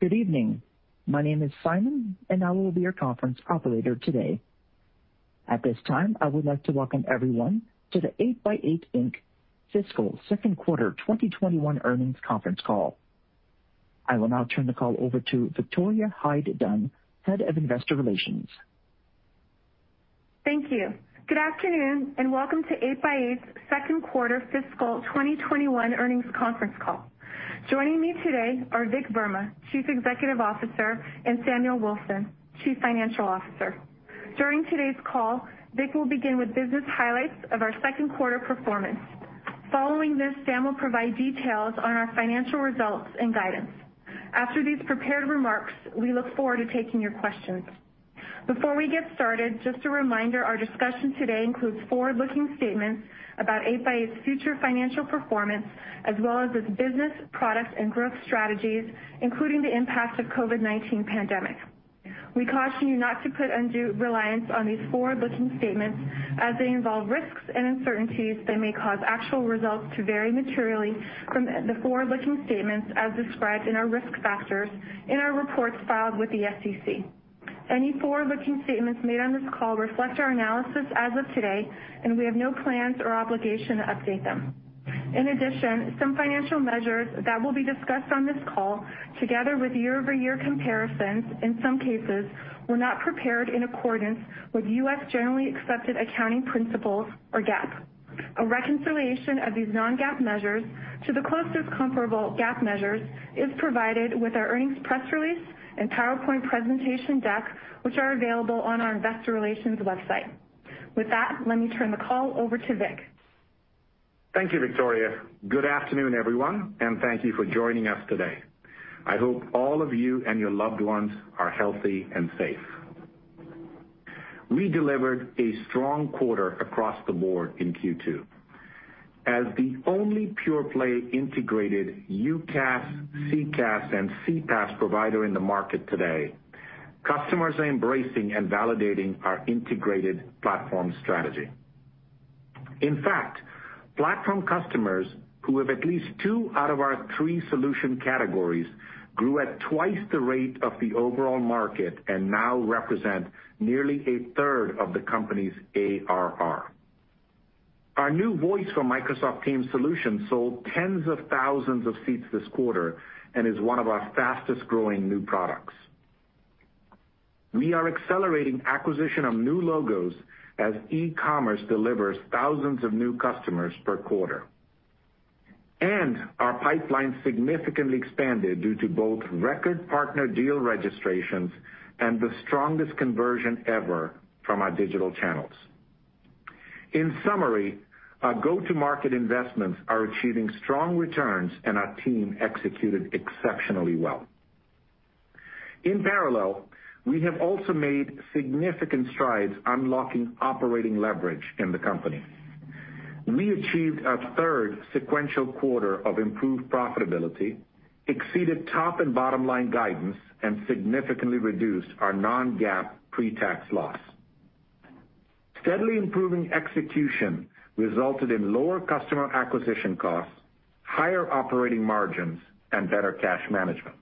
Good evening. My name is Simon, and I will be your conference operator today. At this time, I would like to welcome everyone to the 8x8 Inc. Fiscal Second Quarter 2021 Earnings Conference Call. I will now turn the call over to Victoria Hyde-Dunn, Head of Investor Relations. Thank you. Good afternoon, and welcome to 8x8's second quarter fiscal 2021 earnings conference call. Joining me today are Vik Verma, Chief Executive Officer, and Sam Wilson, Chief Financial Officer. During today's call, Vik will begin with business highlights of our second quarter performance. Following this, Sam will provide details on our financial results and guidance. After these prepared remarks, we look forward to taking your questions. Before we get started, just a reminder, our discussion today includes forward-looking statements about 8x8's future financial performance, as well as its business, product, and growth strategies, including the impact of COVID-19 pandemic. We caution you not to put undue reliance on these forward-looking statements as they involve risks and uncertainties that may cause actual results to vary materially from the forward-looking statements as described in our risk factors in our reports filed with the SEC. Any forward-looking statements made on this call reflect our analysis as of today, and we have no plans or obligation to update them. In addition, some financial measures that will be discussed on this call, together with year-over-year comparisons in some cases, were not prepared in accordance with U.S. generally accepted accounting principles, or GAAP. A reconciliation of these non-GAAP measures to the closest comparable GAAP measures is provided with our earnings press release and PowerPoint presentation deck, which are available on our investor relations website. With that, let me turn the call over to Vik. Thank you, Victoria. Good afternoon, everyone, and thank you for joining us today. I hope all of you and your loved ones are healthy and safe. We delivered a strong quarter across the board in Q2. As the only pure-play integrated UCaaS, CCaaS, and CPaaS provider in the market today, customers are embracing and validating our integrated platform strategy. In fact, platform customers who have at least two out of our three solution categories grew at twice the rate of the overall market and now represent nearly a third of the company's ARR. Our new voice for Microsoft Teams solution sold tens of thousands of seats this quarter and is one of our fastest-growing new products. We are accelerating acquisition of new logos as e-commerce delivers thousands of new customers per quarter. Our pipeline significantly expanded due to both record partner deal registrations and the strongest conversion ever from our digital channels. In summary, our go-to-market investments are achieving strong returns, and our team executed exceptionally well. In parallel, we have also made significant strides unlocking operating leverage in the company. We achieved our third sequential quarter of improved profitability, exceeded top and bottom-line guidance, and significantly reduced our non-GAAP pre-tax loss. Steadily improving execution resulted in lower customer acquisition costs, higher operating margins, and better cash management.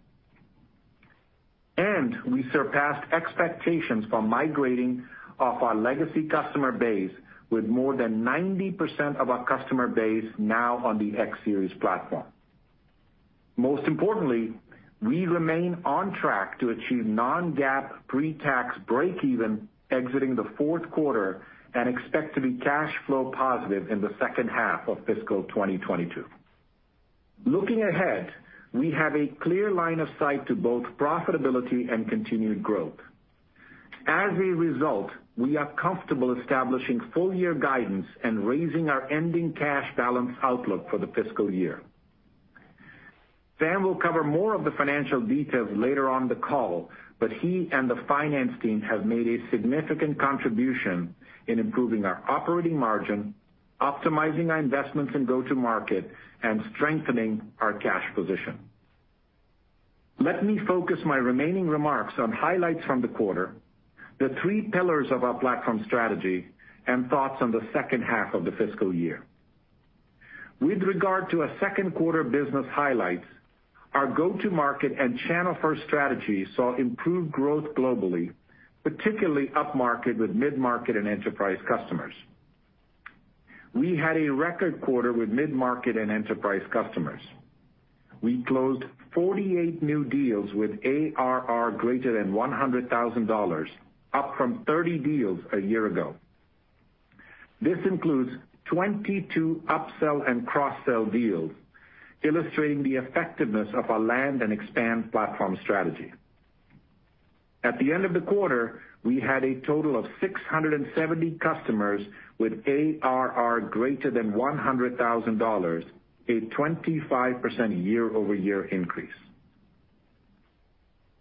We surpassed expectations for migrating off our legacy customer base with more than 90% of our customer base now on the X Series platform. Most importantly, we remain on track to achieve non-GAAP pre-tax breakeven exiting the fourth quarter and expect to be cash flow positive in the second half of fiscal 2022. Looking ahead, we have a clear line of sight to both profitability and continued growth. As a result, we are comfortable establishing full-year guidance and raising our ending cash balance outlook for the fiscal year. Sam will cover more of the financial details later on the call, but he and the finance team have made a significant contribution in improving our operating margin, optimizing our investments in go-to-market, and strengthening our cash position. Let me focus my remaining remarks on highlights from the quarter, the three pillars of our platform strategy, and thoughts on the second half of the fiscal year. With regard to our second quarter business highlights, our go-to-market and channel-first strategy saw improved growth globally, particularly upmarket with mid-market and enterprise customers. We had a record quarter with mid-market and enterprise customers. We closed 48 new deals with ARR greater than $100,000, up from 30 deals a year ago. This includes 22 upsell and cross-sell deals, illustrating the effectiveness of our land and expand platform strategy. At the end of the quarter, we had a total of 670 customers with ARR greater than $100,000, a 25% year-over-year increase.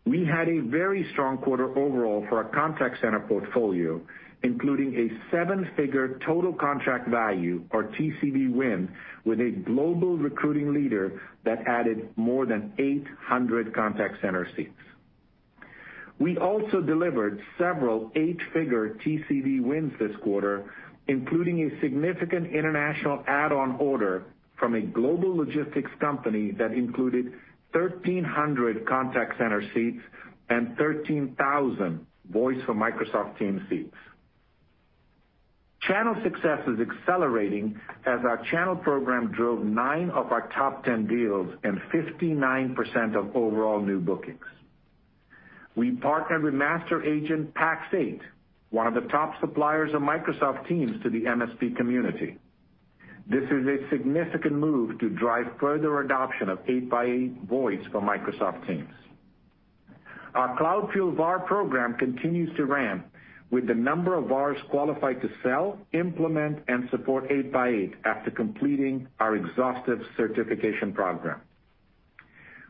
We had a very strong quarter overall for our contact center portfolio, including a seven-figure total contract value or TCV win with a global recruiting leader that added more than 800 contact center seats. We also delivered several eight-figure TCV wins this quarter, including a significant international add-on order from a global logistics company that included 1,300 contact center seats and 13,000 Voice for Microsoft Teams seats. Channel success is accelerating as our channel program drove nine of our top 10 deals and 59% of overall new bookings. We partnered with master agent Pax8, one of the top suppliers of Microsoft Teams to the MSP community. This is a significant move to drive further adoption of 8x8 Voice for Microsoft Teams. Our cloud-fueled VAR program continues to ramp with the number of VARs qualified to sell, implement, and support 8x8 after completing our exhaustive certification program.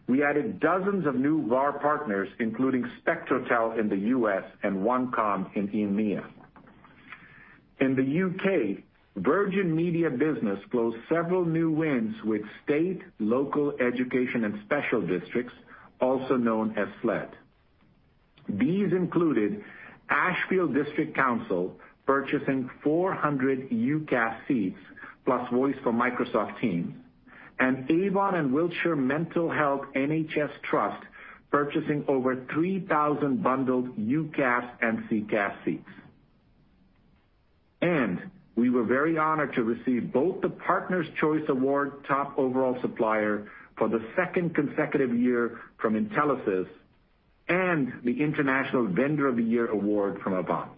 We added dozens of new VAR partners, including Spectrotel in the U.S. and Onecom in EMEA. In the U.K., Virgin Media Business closed several new wins with state, local, education, and special districts, also known as SLED. These included Ashfield District Council purchasing 400 UCaaS seats plus Voice for Microsoft Teams, and Avon and Wiltshire Mental Health Partnership NHS Trust purchasing over 3,000 bundled UCaaS and CCaaS seats. We were very honored to receive both the Partners' Choice Award top overall supplier for the second consecutive year from Intelisys and the International Vendor of the Year Award from AVANT.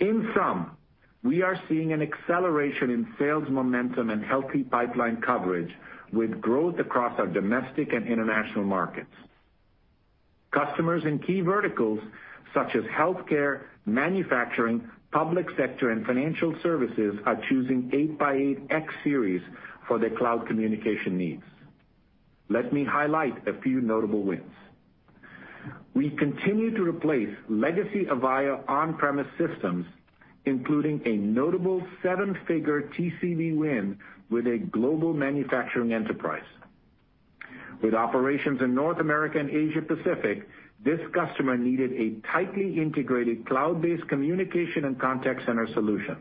In sum, we are seeing an acceleration in sales momentum and healthy pipeline coverage with growth across our domestic and international markets. Customers in key verticals such as healthcare, manufacturing, public sector, and financial services are choosing 8x8 X Series for their cloud communication needs. Let me highlight a few notable wins. We continue to replace legacy Avaya on-premise systems, including a notable seven-figure TCV win with a global manufacturing enterprise. With operations in North America and Asia Pacific, this customer needed a tightly integrated cloud-based communication and contact center solution.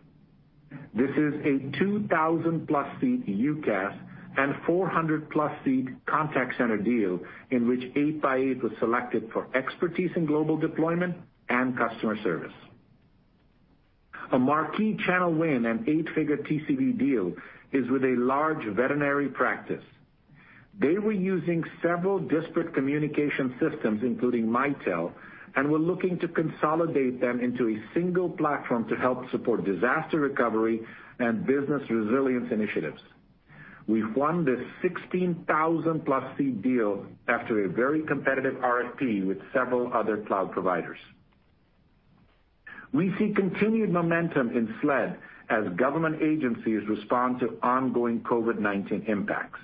This is a 2,000+ seat UCaaS and 400+seat contact center deal in which 8x8 was selected for expertise in global deployment and customer service. A marquee channel win and eight-figure TCV deal is with a large veterinary practice. They were using several disparate communication systems, including Mitel, and were looking to consolidate them into a single platform to help support disaster recovery and business resilience initiatives. We won this 16,000+ seat deal after a very competitive RFP with several other cloud providers. We see continued momentum in SLED as government agencies respond to ongoing COVID-19 impacts.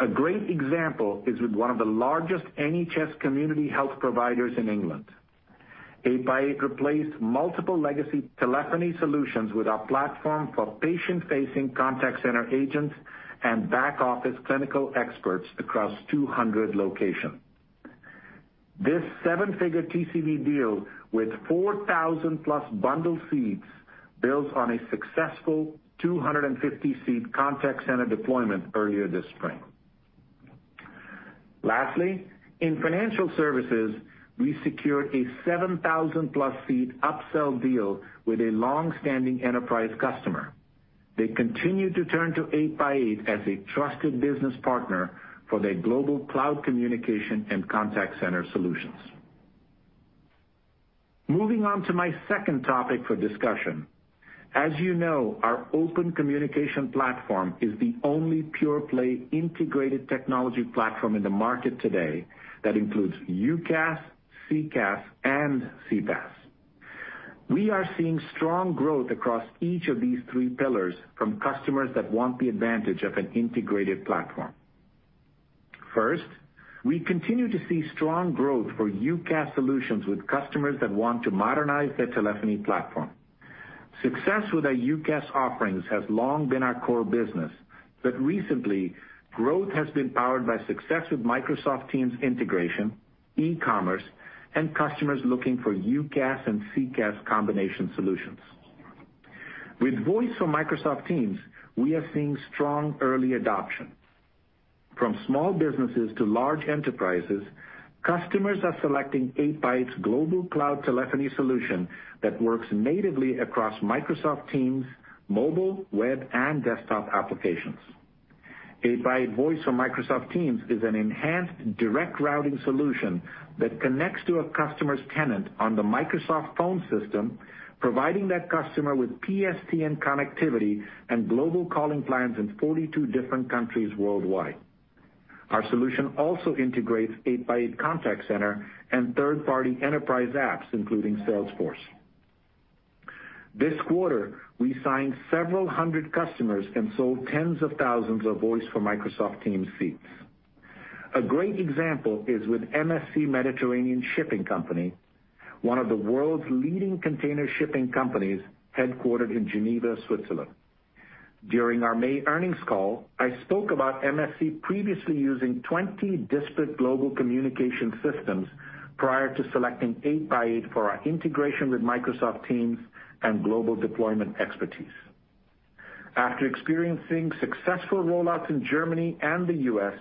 A great example is with one of the largest NHS community health providers in England. 8x8 replaced multiple legacy telephony solutions with our platform for patient-facing contact center agents and back-office clinical experts across 200 locations. This seven-figure TCV deal with 4,000+ bundled seats builds on a successful 250-seat contact center deployment earlier this spring. Lastly, in financial services, we secured a 7,000+ seat upsell deal with a long-standing enterprise customer. They continue to turn to 8x8 as a trusted business partner for their global cloud communication and contact center solutions. Moving on to my second topic for discussion. As you know, our open communication platform is the only pure-play integrated technology platform in the market today that includes UCaaS, CCaaS, and CPaaS. We are seeing strong growth across each of these three pillars from customers that want the advantage of an integrated platform. First, we continue to see strong growth for UCaaS solutions with customers that want to modernize their telephony platform. Success with our UCaaS offerings has long been our core business, but recently, growth has been powered by success with Microsoft Teams integration, e-commerce, and customers looking for UCaaS and CCaaS combination solutions. With Voice for Microsoft Teams, we are seeing strong early adoption. From small businesses to large enterprises, customers are selecting 8x8's global cloud telephony solution that works natively across Microsoft Teams, mobile, web, and desktop applications. 8x8 Voice for Microsoft Teams is an enhanced direct routing solution that connects to a customer's tenant on the Microsoft phone system, providing that customer with PSTN connectivity and global calling plans in 42 different countries worldwide. Our solution also integrates 8x8 Contact Center and third-party enterprise apps, including Salesforce. This quarter, we signed several hundred customers and sold tens of thousands of Voice for Microsoft Teams seats. A great example is with MSC Mediterranean Shipping Company, one of the world's leading container shipping companies headquartered in Geneva, Switzerland. During our May earnings call, I spoke about MSC previously using 20 disparate global communication systems prior to selecting 8x8 for our integration with Microsoft Teams and global deployment expertise. After experiencing successful rollouts in Germany and the U.S.,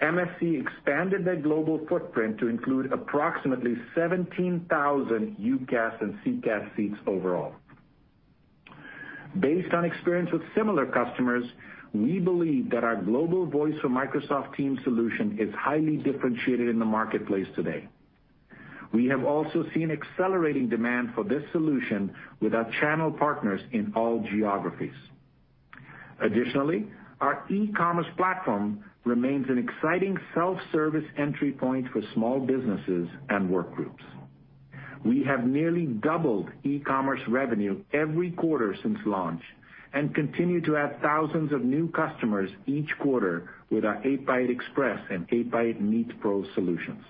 MSC expanded their global footprint to include approximately 17,000 UCaaS and CCaaS seats overall. Based on experience with similar customers, we believe that our global voice for Microsoft Teams solution is highly differentiated in the marketplace today. We have also seen accelerating demand for this solution with our channel partners in all geographies. Additionally, our e-commerce platform remains an exciting self-service entry point for small businesses and work groups. We have nearly doubled e-commerce revenue every quarter since launch and continue to add thousands of new customers each quarter with our 8x8 Express and 8x8 Meet Pro solutions.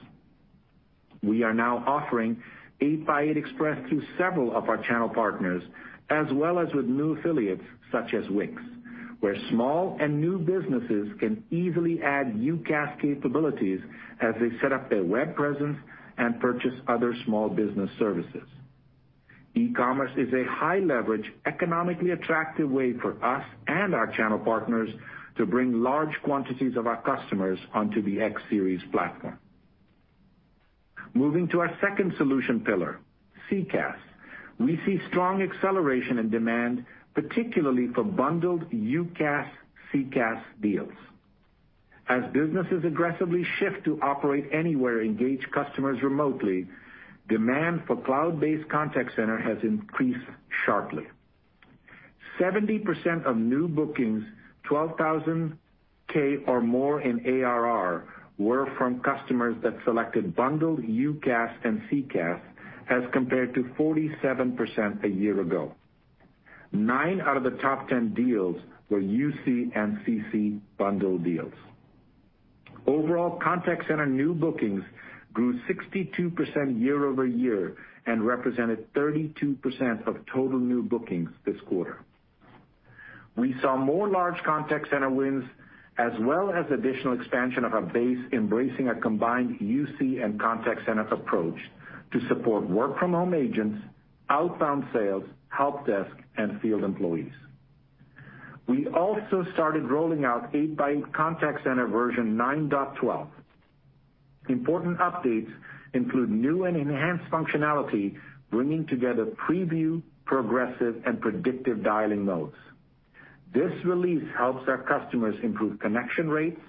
We are now offering 8x8 Express through several of our channel partners, as well as with new affiliates such as Wix, where small and new businesses can easily add UCaaS capabilities as they set up their web presence and purchase other small business services. E-commerce is a high-leverage, economically attractive way for us and our channel partners to bring large quantities of our customers onto the X Series platform. Moving to our second solution pillar, CCaaS. We see strong acceleration in demand, particularly for bundled UCaaS, CCaaS deals. As businesses aggressively shift to operate anywhere, engage customers remotely, demand for cloud-based contact center has increased sharply. 70% of new bookings 12K or more in ARR were from customers that selected bundled UCaaS and CCaaS, as compared to 47% a year ago. Nine out of the top 10 deals were UC and CC bundle deals. Overall, Contact Center new bookings grew 62% year-over-year and represented 32% of total new bookings this quarter. We saw more large Contact Center wins, as well as additional expansion of our base, embracing a combined UC and Contact Center approach to support work-from-home agents, outbound sales, help desk, and field employees. We also started rolling out 8x8 Contact Center version 9.12. Important updates include new and enhanced functionality, bringing together preview, progressive, and predictive dialing modes. This release helps our customers improve connection rates,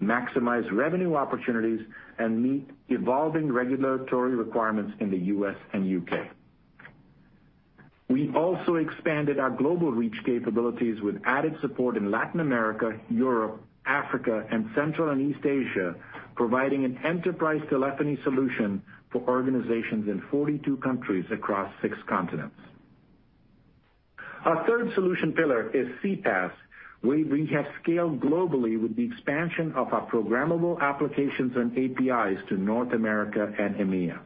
maximize revenue opportunities, and meet evolving regulatory requirements in the U.S. and U.K. We also expanded our global reach capabilities with added support in Latin America, Europe, Africa, and Central and East Asia, providing an enterprise telephony solution for organizations in 42 countries across six continents. Our third solution pillar is CPaaS, where we have scaled globally with the expansion of our programmable applications and APIs to North America and EMEA.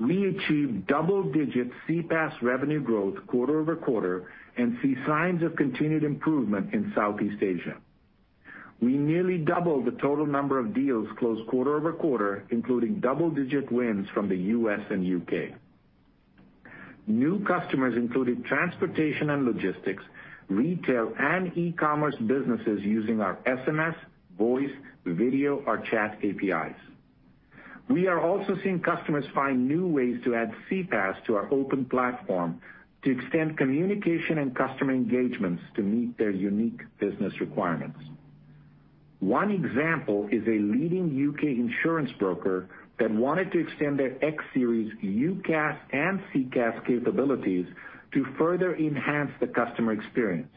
We achieved double-digit CPaaS revenue growth quarter-over-quarter and see signs of continued improvement in Southeast Asia. We nearly doubled the total number of deals closed quarter-over-quarter, including double-digit wins from the U.S. and U.K. New customers included transportation and logistics, retail, and e-commerce businesses using our SMS, voice, video, or chat APIs. We are also seeing customers find new ways to add CPaaS to our open platform to extend communication and customer engagements to meet their unique business requirements. One example is a leading U.K. insurance broker that wanted to extend their X Series UCaaS and CCaaS capabilities to further enhance the customer experience.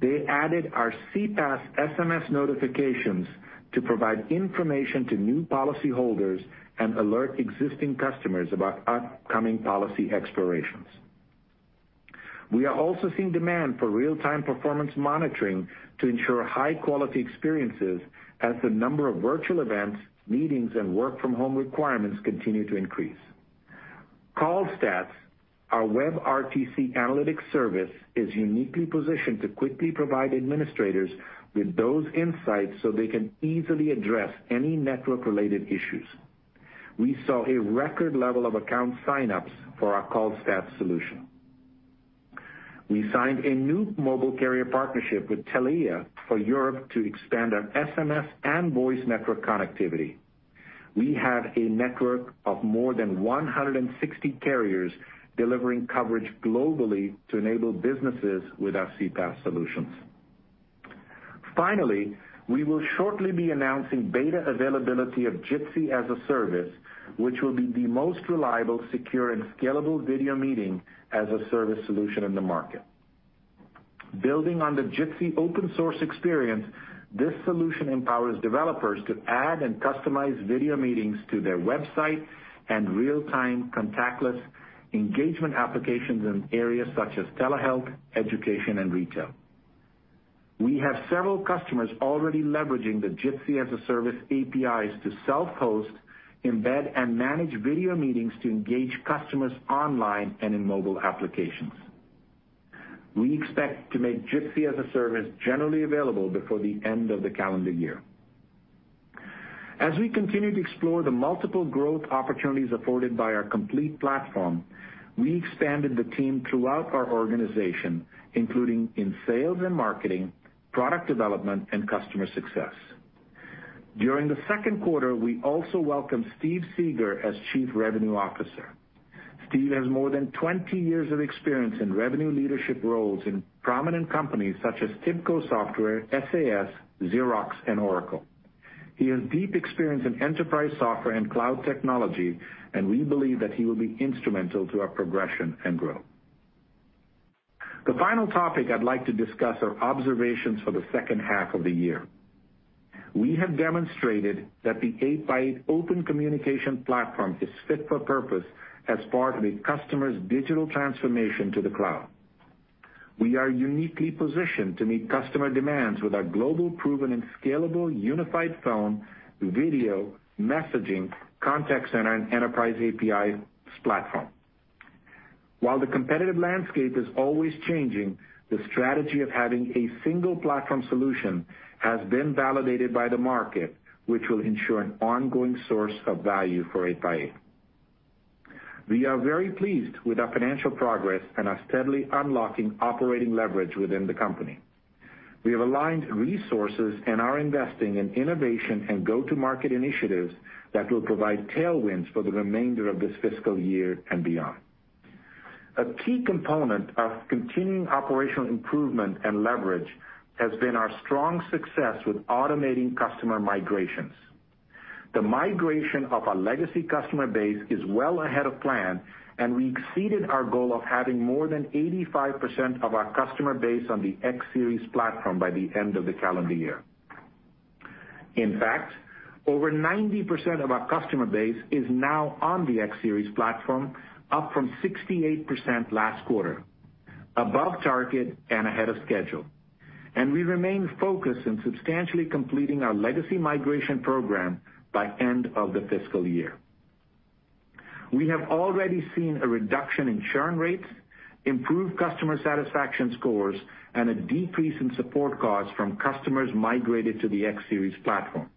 They added our CPaaS SMS notifications to provide information to new policyholders and alert existing customers about upcoming policy expirations. We are also seeing demand for real-time performance monitoring to ensure high-quality experiences as the number of virtual events, meetings, and work-from-home requirements continue to increase. callstats.io, our WebRTC analytics service, is uniquely positioned to quickly provide administrators with those insights so they can easily address any network-related issues. We saw a record level of account sign-ups for our callstats.io solution. We signed a new mobile carrier partnership with Telia for Europe to expand our SMS and voice network connectivity. We have a network of more than 160 carriers delivering coverage globally to enable businesses with our CPaaS solutions. Finally, we will shortly be announcing beta availability of Jitsi as a Service, which will be the most reliable, secure, and scalable video meeting as a service solution in the market. Building on the Jitsi open-source experience, this solution empowers developers to add and customize video meetings to their website and real-time contactless engagement applications in areas such as telehealth, education, and retail. We have several customers already leveraging the Jitsi as a Service APIs to self-host, embed, and manage video meetings to engage customers online and in mobile applications. We expect to make Jitsi as a Service generally available before the end of the calendar year. As we continue to explore the multiple growth opportunities afforded by our complete platform, we expanded the team throughout our organization, including in sales and marketing, product development, and customer success. During the second quarter, we also welcomed Steve Seger as Chief Revenue Officer. Steve has more than 20 years of experience in revenue leadership roles in prominent companies such as TIBCO Software, SAS, Xerox, and Oracle. He has deep experience in enterprise software and cloud technology, and we believe that he will be instrumental to our progression and growth. The final topic I'd like to discuss are observations for the second half of the year. We have demonstrated that the 8x8 open communication platform is fit for purpose as part of a customer's digital transformation to the cloud. We are uniquely positioned to meet customer demands with our global proven and scalable unified phone, video, messaging, contact center, and enterprise API platform. While the competitive landscape is always changing, the strategy of having a single platform solution has been validated by the market, which will ensure an ongoing source of value for 8x8. We are very pleased with our financial progress and are steadily unlocking operating leverage within the company. We have aligned resources and are investing in innovation and go-to-market initiatives that will provide tailwinds for the remainder of this fiscal year and beyond. A key component of continuing operational improvement and leverage has been our strong success with automating customer migrations. The migration of our legacy customer base is well ahead of plan, and we exceeded our goal of having more than 85% of our customer base on the X Series platform by the end of the calendar year In fact, over 90% of our customer base is now on the X Series platform, up from 68% last quarter, above target and ahead of schedule. We remain focused on substantially completing our legacy migration program by end of the fiscal year. We have already seen a reduction in churn rates, improved customer satisfaction scores, and a decrease in support costs from customers migrated to the X Series platform.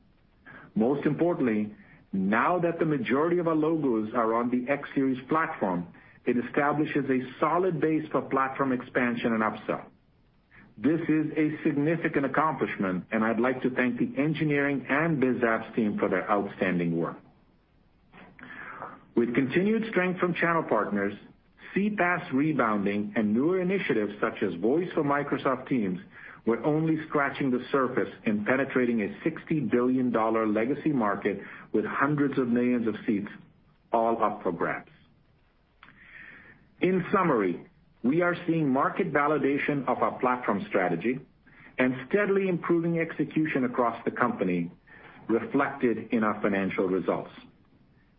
Most importantly, now that the majority of our logos are on the X Series platform, it establishes a solid base for platform expansion and upsell. This is a significant accomplishment, and I'd like to thank the engineering and biz apps team for their outstanding work. With continued strength from channel partners, CPaaS rebounding, and newer initiatives such as Voice for Microsoft Teams, we're only scratching the surface in penetrating a $60 billion legacy market with hundreds of millions of seats all up for grabs. In summary, we are seeing market validation of our platform strategy and steadily improving execution across the company reflected in our financial results.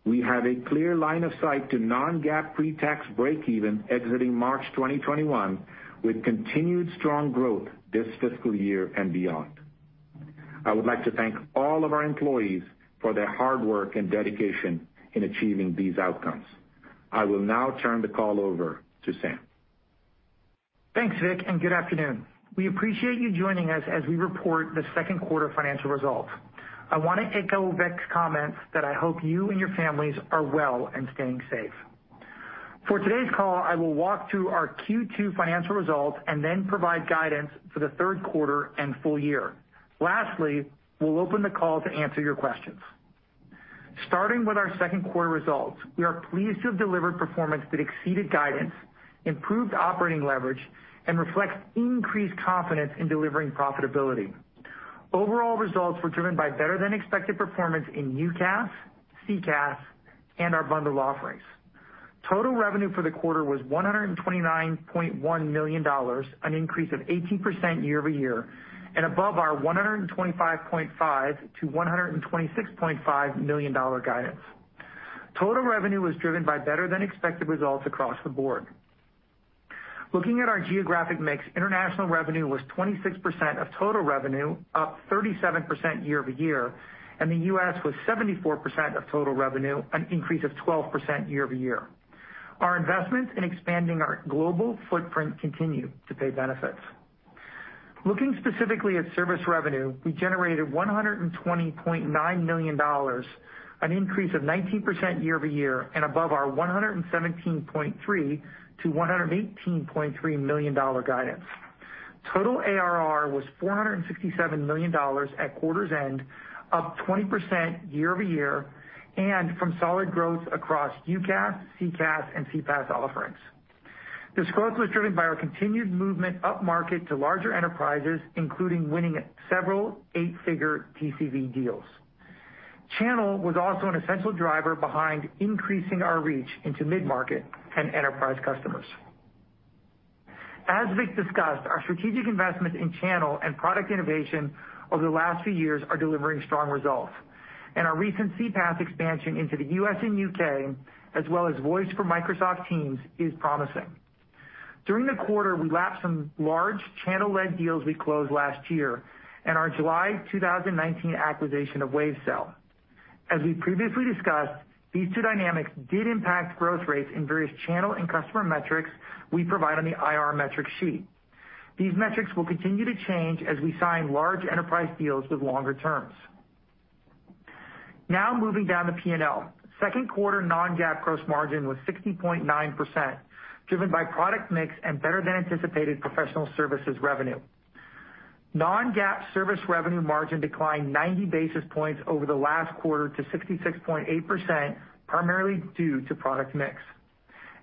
We have a clear line of sight to non-GAAP pre-tax breakeven exiting March 2021, with continued strong growth this fiscal year and beyond. I would like to thank all of our employees for their hard work and dedication in achieving these outcomes. I will now turn the call over to Sam. Thanks, Vik. Good afternoon. We appreciate you joining us as we report the second quarter financial results. I want to echo Vik's comments that I hope you and your families are well and staying safe. For today's call, I will walk through our Q2 financial results and then provide guidance for the third quarter and full year. Lastly, we'll open the call to answer your questions. Starting with our second quarter results, we are pleased to have delivered performance that exceeded guidance, improved operating leverage, and reflects increased confidence in delivering profitability. Overall results were driven by better than expected performance in UCaaS, CCaaS, and our bundle offerings. Total revenue for the quarter was $129.1 million, an increase of 18% year-over-year, and above our $125.5 million-$126.5 million guidance. Total revenue was driven by better than expected results across the board. Looking at our geographic mix, international revenue was 26% of total revenue, up 37% year-over-year. The U.S. was 74% of total revenue, an increase of 12% year-over-year. Our investments in expanding our global footprint continue to pay benefits. Looking specifically at service revenue, we generated $120.9 million, an increase of 19% year-over-year, above our $117.3 million-$118.3 million guidance. Total ARR was $467 million at quarter's end, up 20% year-over-year, from solid growth across UCaaS, CCaaS, and CPaaS offerings. This growth was driven by our continued movement upmarket to larger enterprises, including winning several eight-figure TCV deals. Channel was also an essential driver behind increasing our reach into mid-market and enterprise customers. As Vik discussed, our strategic investments in channel and product innovation over the last few years are delivering strong results, and our recent CPaaS expansion into the U.S. and U.K., as well as Voice for Microsoft Teams, is promising. During the quarter, we lapped some large channel-led deals we closed last year and our July 2019 acquisition of Wavecell. As we previously discussed, these two dynamics did impact growth rates in various channel and customer metrics we provide on the IR metric sheet. These metrics will continue to change as we sign large enterprise deals with longer terms. Now moving down the P&L. Second quarter non-GAAP gross margin was 60.9%, driven by product mix and better than anticipated professional services revenue. Non-GAAP service revenue margin declined 90 basis points over the last quarter to 66.8%, primarily due to product mix.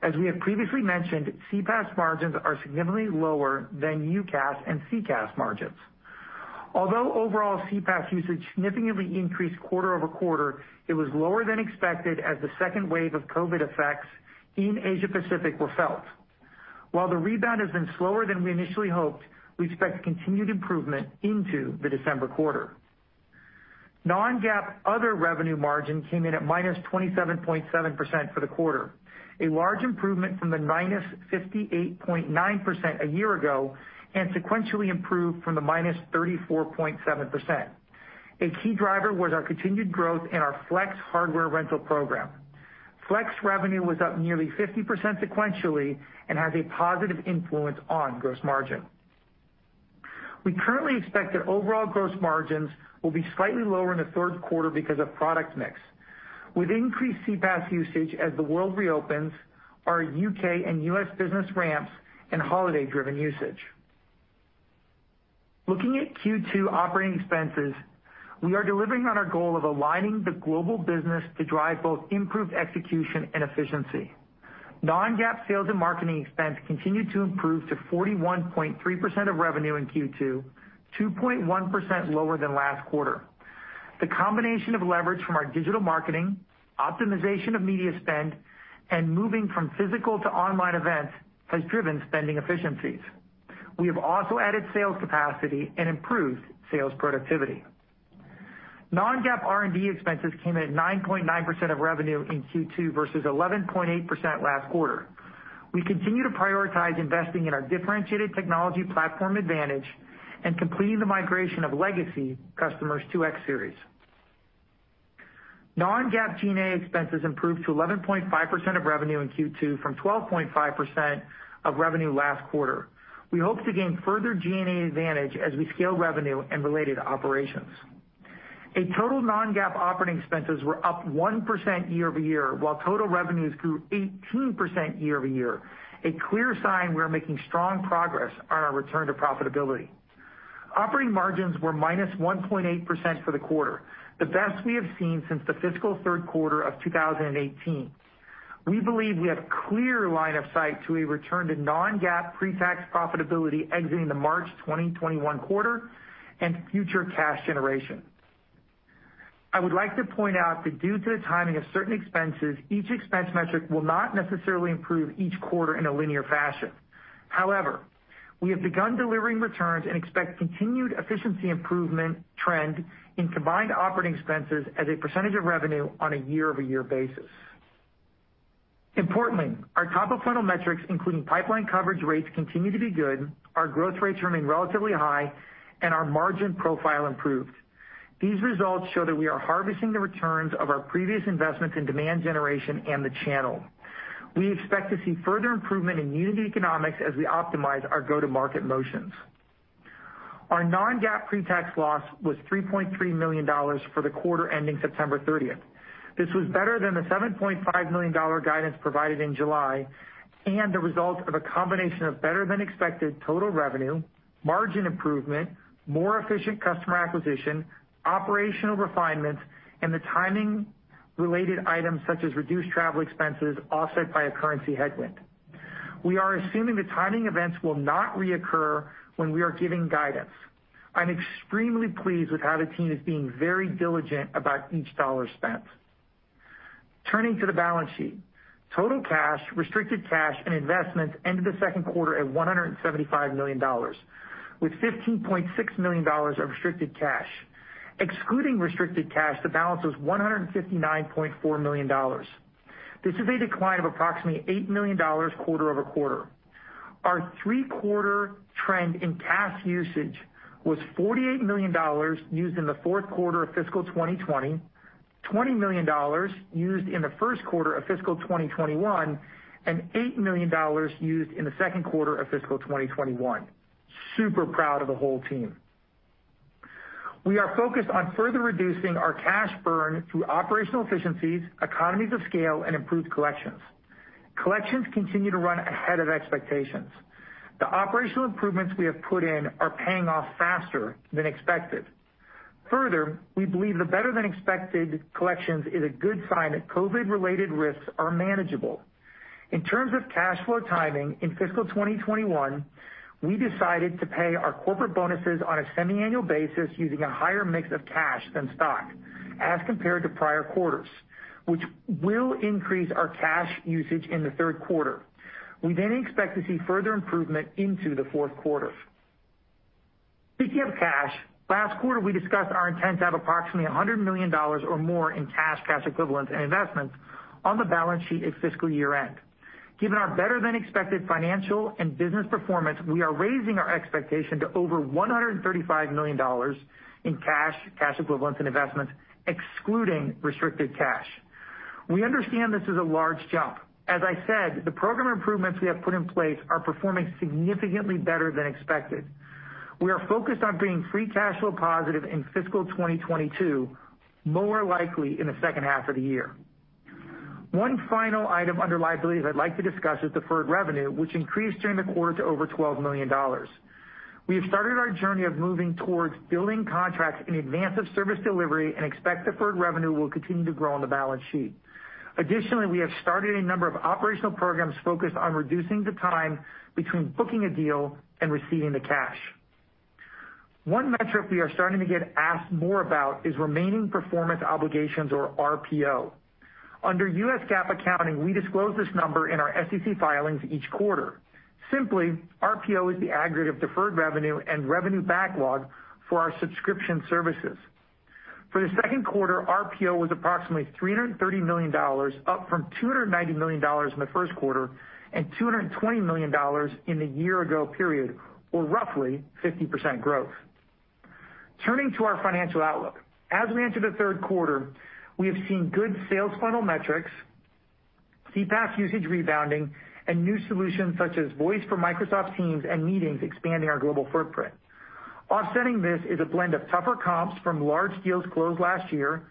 As we have previously mentioned, CPaaS margins are significantly lower than UCaaS and CCaaS margins. Although overall CPaaS usage significantly increased quarter-over-quarter, it was lower than expected as the second wave of COVID effects in Asia Pacific were felt. While the rebound has been slower than we initially hoped, we expect continued improvement into the December quarter. Non-GAAP other revenue margin came in at -27.7% for the quarter, a large improvement from the -58.9% a year ago, and sequentially improved from the -34.7%. A key driver was our continued growth in our Flex hardware rental program. Flex revenue was up nearly 50% sequentially and has a positive influence on gross margin. We currently expect that overall gross margins will be slightly lower in the third quarter because of product mix, with increased CPaaS usage as the world reopens, our U.K. and U.S. business ramps and holiday-driven usage. Looking at Q2 operating expenses, we are delivering on our goal of aligning the global business to drive both improved execution and efficiency. Non-GAAP sales and marketing expense continued to improve to 41.3% of revenue in Q2, 2.1% lower than last quarter. The combination of leverage from our digital marketing, optimization of media spend, and moving from physical to online events has driven spending efficiencies. We have also added sales capacity and improved sales productivity. Non-GAAP R&D expenses came in at 9.9% of revenue in Q2 versus 11.8% last quarter. We continue to prioritize investing in our differentiated technology platform advantage and completing the migration of legacy customers to X Series. Non-GAAP G&A expenses improved to 11.5% of revenue in Q2 from 12.5% of revenue last quarter. We hope to gain further G&A advantage as we scale revenue and related operations. A total non-GAAP operating expenses were up 1% year-over-year, while total revenues grew 18% year-over-year, a clear sign we are making strong progress on our return to profitability. Operating margins were -1.8% for the quarter, the best we have seen since the fiscal third quarter of 2018. We believe we have clear line of sight to a return to non-GAAP pre-tax profitability exiting the March 2021 quarter and future cash generation. I would like to point out that due to the timing of certain expenses, each expense metric will not necessarily improve each quarter in a linear fashion. However, we have begun delivering returns and expect continued efficiency improvement trend in combined operating expenses as a percentage of revenue on a year-over-year basis. Importantly, our top-of-funnel metrics, including pipeline coverage rates, continue to be good, our growth rates remain relatively high, and our margin profile improved. These results show that we are harvesting the returns of our previous investments in demand generation and the channel. We expect to see further improvement in unit economics as we optimize our go-to-market motions. Our non-GAAP pre-tax loss was $3.3 million for the quarter ending September 30th. This was better than the $7.5 million guidance provided in July, The result of a combination of better than expected total revenue, margin improvement, more efficient customer acquisition, operational refinements, and the timing-related items such as reduced travel expenses offset by a currency headwind. We are assuming the timing events will not reoccur when we are giving guidance. I'm extremely pleased with how the team is being very diligent about each dollar spent. Turning to the balance sheet. Total cash, restricted cash, and investments ended the second quarter at $175 million, with $15.6 million of restricted cash. Excluding restricted cash, the balance was $159.4 million. This is a decline of approximately $8 million quarter-over-quarter. Our three-quarter trend in cash usage was $48 million used in the fourth quarter of fiscal 2020, $20 million used in the first quarter of fiscal 2021, and $8 million used in the second quarter of fiscal 2021. Super proud of the whole team. We are focused on further reducing our cash burn through operational efficiencies, economies of scale, and improved collections. Collections continue to run ahead of expectations. The operational improvements we have put in are paying off faster than expected. Further, we believe the better-than-expected collections is a good sign that COVID-related risks are manageable. In terms of cash flow timing, in fiscal 2021, we decided to pay our corporate bonuses on a semi-annual basis using a higher mix of cash than stock as compared to prior quarters, which will increase our cash usage in the third quarter. We expect to see further improvement into the fourth quarter. Speaking of cash, last quarter we discussed our intent to have approximately $100 million or more in cash equivalents, and investments on the balance sheet at fiscal year-end. Given our better-than-expected financial and business performance, we are raising our expectation to over $135 million in cash equivalents, and investments, excluding restricted cash. We understand this is a large jump. As I said, the program improvements we have put in place are performing significantly better than expected. We are focused on being free cash flow positive in fiscal 2022, more likely in the second half of the year. One final item under liabilities I'd like to discuss is deferred revenue, which increased during the quarter to over $12 million. We have started our journey of moving towards building contracts in advance of service delivery and expect deferred revenue will continue to grow on the balance sheet. Additionally, we have started a number of operational programs focused on reducing the time between booking a deal and receiving the cash. One metric we are starting to get asked more about is remaining performance obligations or RPO. Under US GAAP accounting, we disclose this number in our SEC filings each quarter. Simply, RPO is the aggregate of deferred revenue and revenue backlog for our subscription services. For the second quarter, RPO was approximately $330 million, up from $290 million in the first quarter and $220 million in the year-ago period, or roughly 50% growth. Turning to our financial outlook. As we enter the third quarter, we have seen good sales funnel metrics, CPaaS usage rebounding, and new solutions such as 8x8 Voice for Microsoft Teams and Meetings expanding our global footprint. Offsetting this is a blend of tougher comps from large deals closed last year,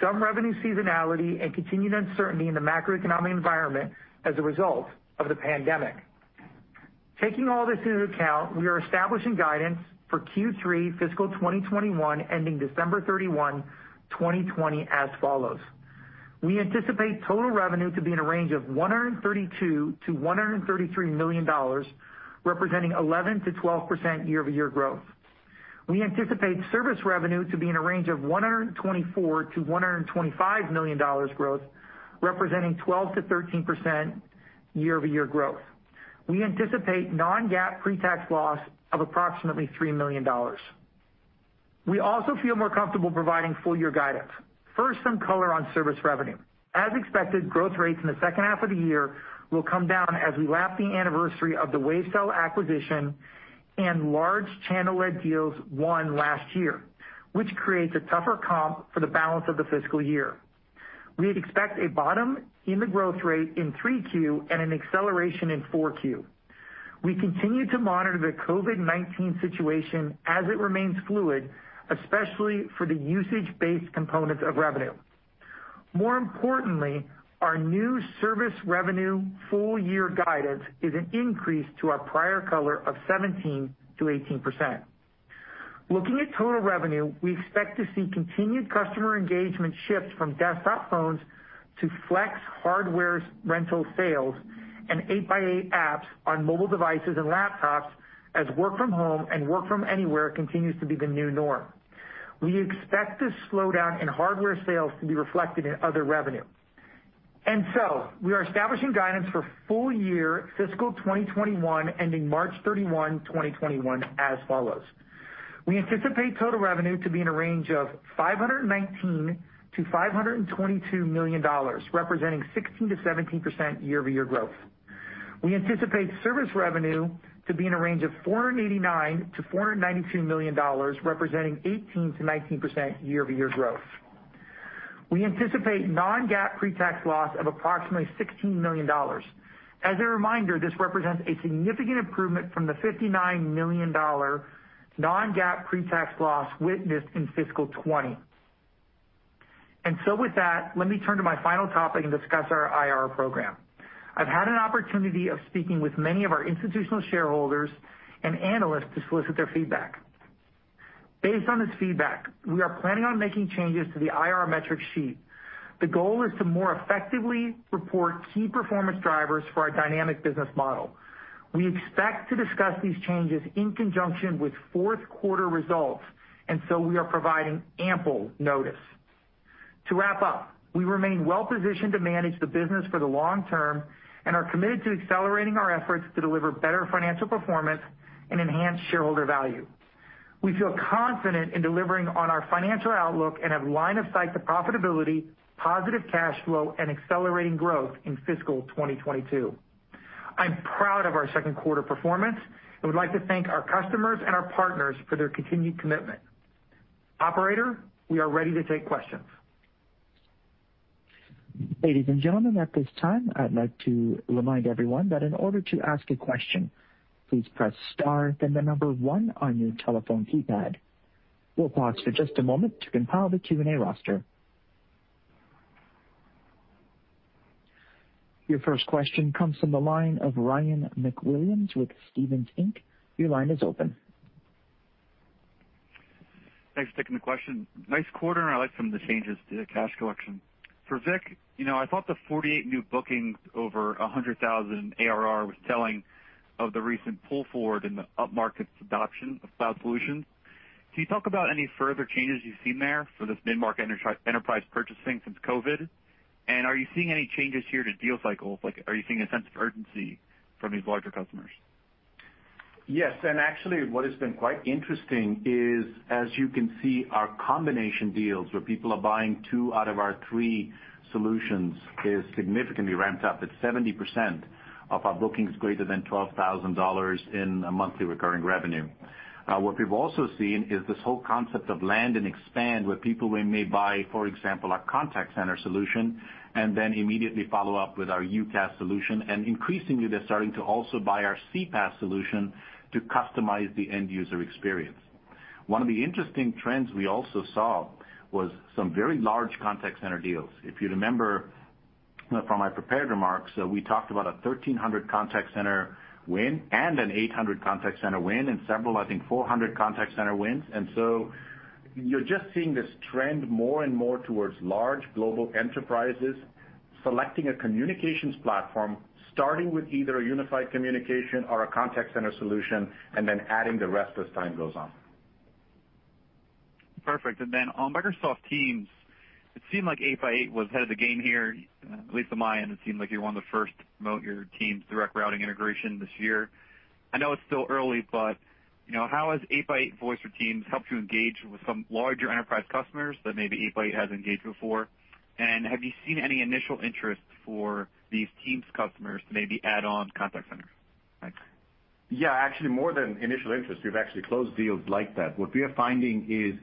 some revenue seasonality, and continued uncertainty in the macroeconomic environment as a result of the pandemic. Taking all this into account, we are establishing guidance for Q3 fiscal 2021 ending December 31, 2020, as follows. We anticipate total revenue to be in a range of $132 million-$133 million, representing 11%-12% year-over-year growth. We anticipate service revenue to be in a range of $124 million-$125 million growth, representing 12%-13% year-over-year growth. We anticipate non-GAAP pre-tax loss of approximately $3 million. We also feel more comfortable providing full-year guidance. First, some color on service revenue. As expected, growth rates in the second half of the year will come down as we lap the anniversary of the Wavecell acquisition and large channel-led deals won last year, which creates a tougher comp for the balance of the fiscal year. We expect a bottom in the growth rate in 3Q and an acceleration in 4Q. We continue to monitor the COVID-19 situation as it remains fluid, especially for the usage-based components of revenue. More importantly, our new service revenue full-year guidance is an increase to our prior color of 17%-18%. Looking at total revenue, we expect to see continued customer engagement shift from desktop phones to Flex hardware rental sales and 8x8 apps on mobile devices and laptops as work from home and work from anywhere continues to be the new norm. We expect this slowdown in hardware sales to be reflected in other revenue. We are establishing guidance for full-year fiscal 2021 ending March 31, 2021, as follows. We anticipate total revenue to be in a range of $519 million-$522 million, representing 16%-17% year-over-year growth. We anticipate service revenue to be in a range of $489 million-$492 million, representing 18%-19% year-over-year growth. We anticipate non-GAAP pre-tax loss of approximately $16 million. As a reminder, this represents a significant improvement from the $59 million non-GAAP pre-tax loss witnessed in fiscal 2020. With that, let me turn to my final topic and discuss our IR program. I've had an opportunity of speaking with many of our institutional shareholders and analysts to solicit their feedback. Based on this feedback, we are planning on making changes to the IR metric sheet. The goal is to more effectively report key performance drivers for our dynamic business model. We expect to discuss these changes in conjunction with fourth quarter results, we are providing ample notice. To wrap up, we remain well-positioned to manage the business for the long term and are committed to accelerating our efforts to deliver better financial performance and enhance shareholder value. We feel confident in delivering on our financial outlook and have line of sight to profitability, positive cash flow, and accelerating growth in fiscal 2022. I'm proud of our second quarter performance and would like to thank our customers and our partners for their continued commitment. Operator, we are ready to take questions. Ladies and gentlemen, at this time, I'd like to remind everyone that in order to ask a question, please press star then one on your telephone keypad. We'll pause for just a moment to compile the Q&A roster. Your first question comes from the line of Ryan MacWilliams with Stephens Inc. Your line is open. Thanks for taking the question. Nice quarter, and I like some of the changes to the cash collection. For Vik, I thought the 48 new bookings over 100,000 ARR was telling of the recent pull forward in the upmarket adoption of cloud solutions. Can you talk about any further changes you've seen there for this mid-market enterprise purchasing since COVID? Are you seeing any changes here to deal cycles? Are you seeing a sense of urgency from these larger customers? Yes. Actually, what has been quite interesting is, as you can see, our combination deals where people are buying two out of our three solutions is significantly ramped up at 70% of our bookings greater than $12,000 in ARR. What we've also seen is this whole concept of land and expand, where people may buy, for example, our contact center solution and then immediately follow up with our UCaaS solution. Increasingly, they're starting to also buy our CPaaS solution to customize the end-user experience. One of the interesting trends we also saw was some very large contact center deals. If you remember from my prepared remarks, we talked about a 1,300 contact center win and an 800 contact center win and several, I think, 400 contact center wins. You're just seeing this trend more and more towards large global enterprises selecting a communications platform, starting with either a unified communication or a contact center solution, and then adding the rest as time goes on. Perfect. On Microsoft Teams, it seemed like 8x8 was ahead of the game here. At least on my end, it seemed like you were one of the first to promote your Teams direct routing integration this year. I know it's still early, but how has 8x8 Voice for Teams helped you engage with some larger enterprise customers that maybe 8x8 hasn't engaged before? Have you seen any initial interest for these Teams customers to maybe add on contact centers? Thanks. Yeah. Actually, more than initial interest. We've actually closed deals like that. What we are finding is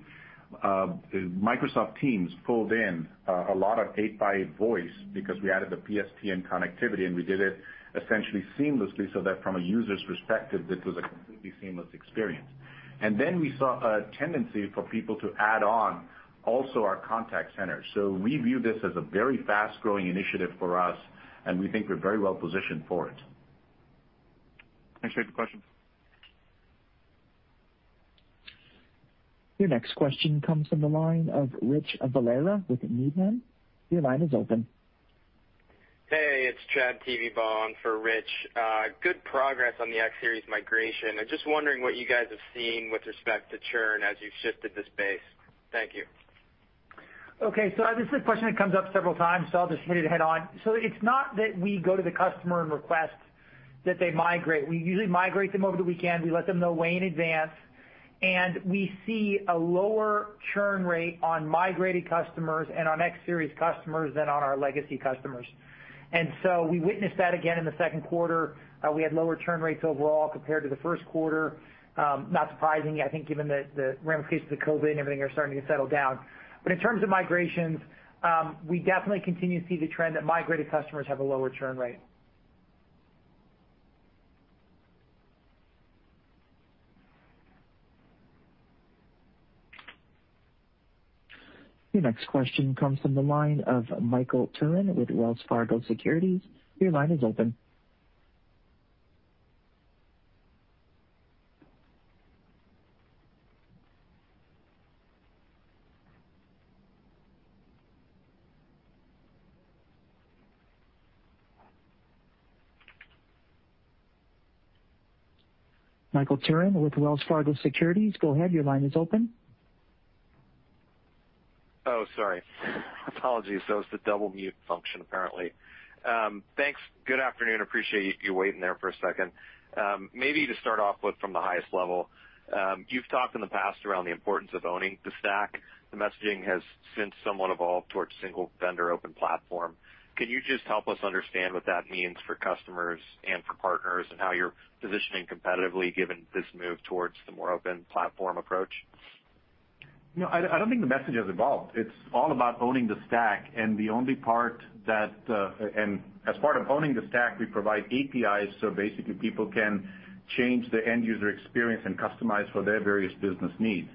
Microsoft Teams pulled in a lot of 8x8 Voice because we added the PSTN connectivity, and we did it essentially seamlessly, so that from a user's perspective, this was a completely seamless experience. We saw a tendency for people to add on also our contact center. We view this as a very fast-growing initiative for us, and we think we're very well-positioned for it. Thanks. Great question. Your next question comes from the line of Rich Valera with Needham. Your line is open. Hey, it's Chad Tevebaugh for Rich. Good progress on the X Series migration. I'm just wondering what you guys have seen with respect to churn as you've shifted this base. Thank you. This is a question that comes up several times, so I'll just hit it head-on. It's not that we go to the customer and request that they migrate. We usually migrate them over the weekend. We let them know way in advance, and we see a lower churn rate on migrated customers and on X Series customers than on our legacy customers. We witnessed that again in the second quarter. We had lower churn rates overall compared to the first quarter. Not surprising, I think, given the ramifications of COVID and everything are starting to settle down. In terms of migrations, we definitely continue to see the trend that migrated customers have a lower churn rate. Your next question comes from the line of Michael Turrin with Wells Fargo Securities. Your line is open. Michael Turrin with Wells Fargo Securities, go ahead, your line is open. Oh, sorry. Apologies. That was the double mute function, apparently. Thanks. Good afternoon. Appreciate you waiting there for a second. To start off with from the highest level, you've talked in the past around the importance of owning the stack. The messaging has since somewhat evolved towards single vendor open platform. Can you just help us understand what that means for customers and for partners, and how you're positioning competitively given this move towards the more open platform approach? I don't think the message has evolved. It's all about owning the stack, and as part of owning the stack, we provide APIs, so basically people can change the end-user experience and customize for their various business needs.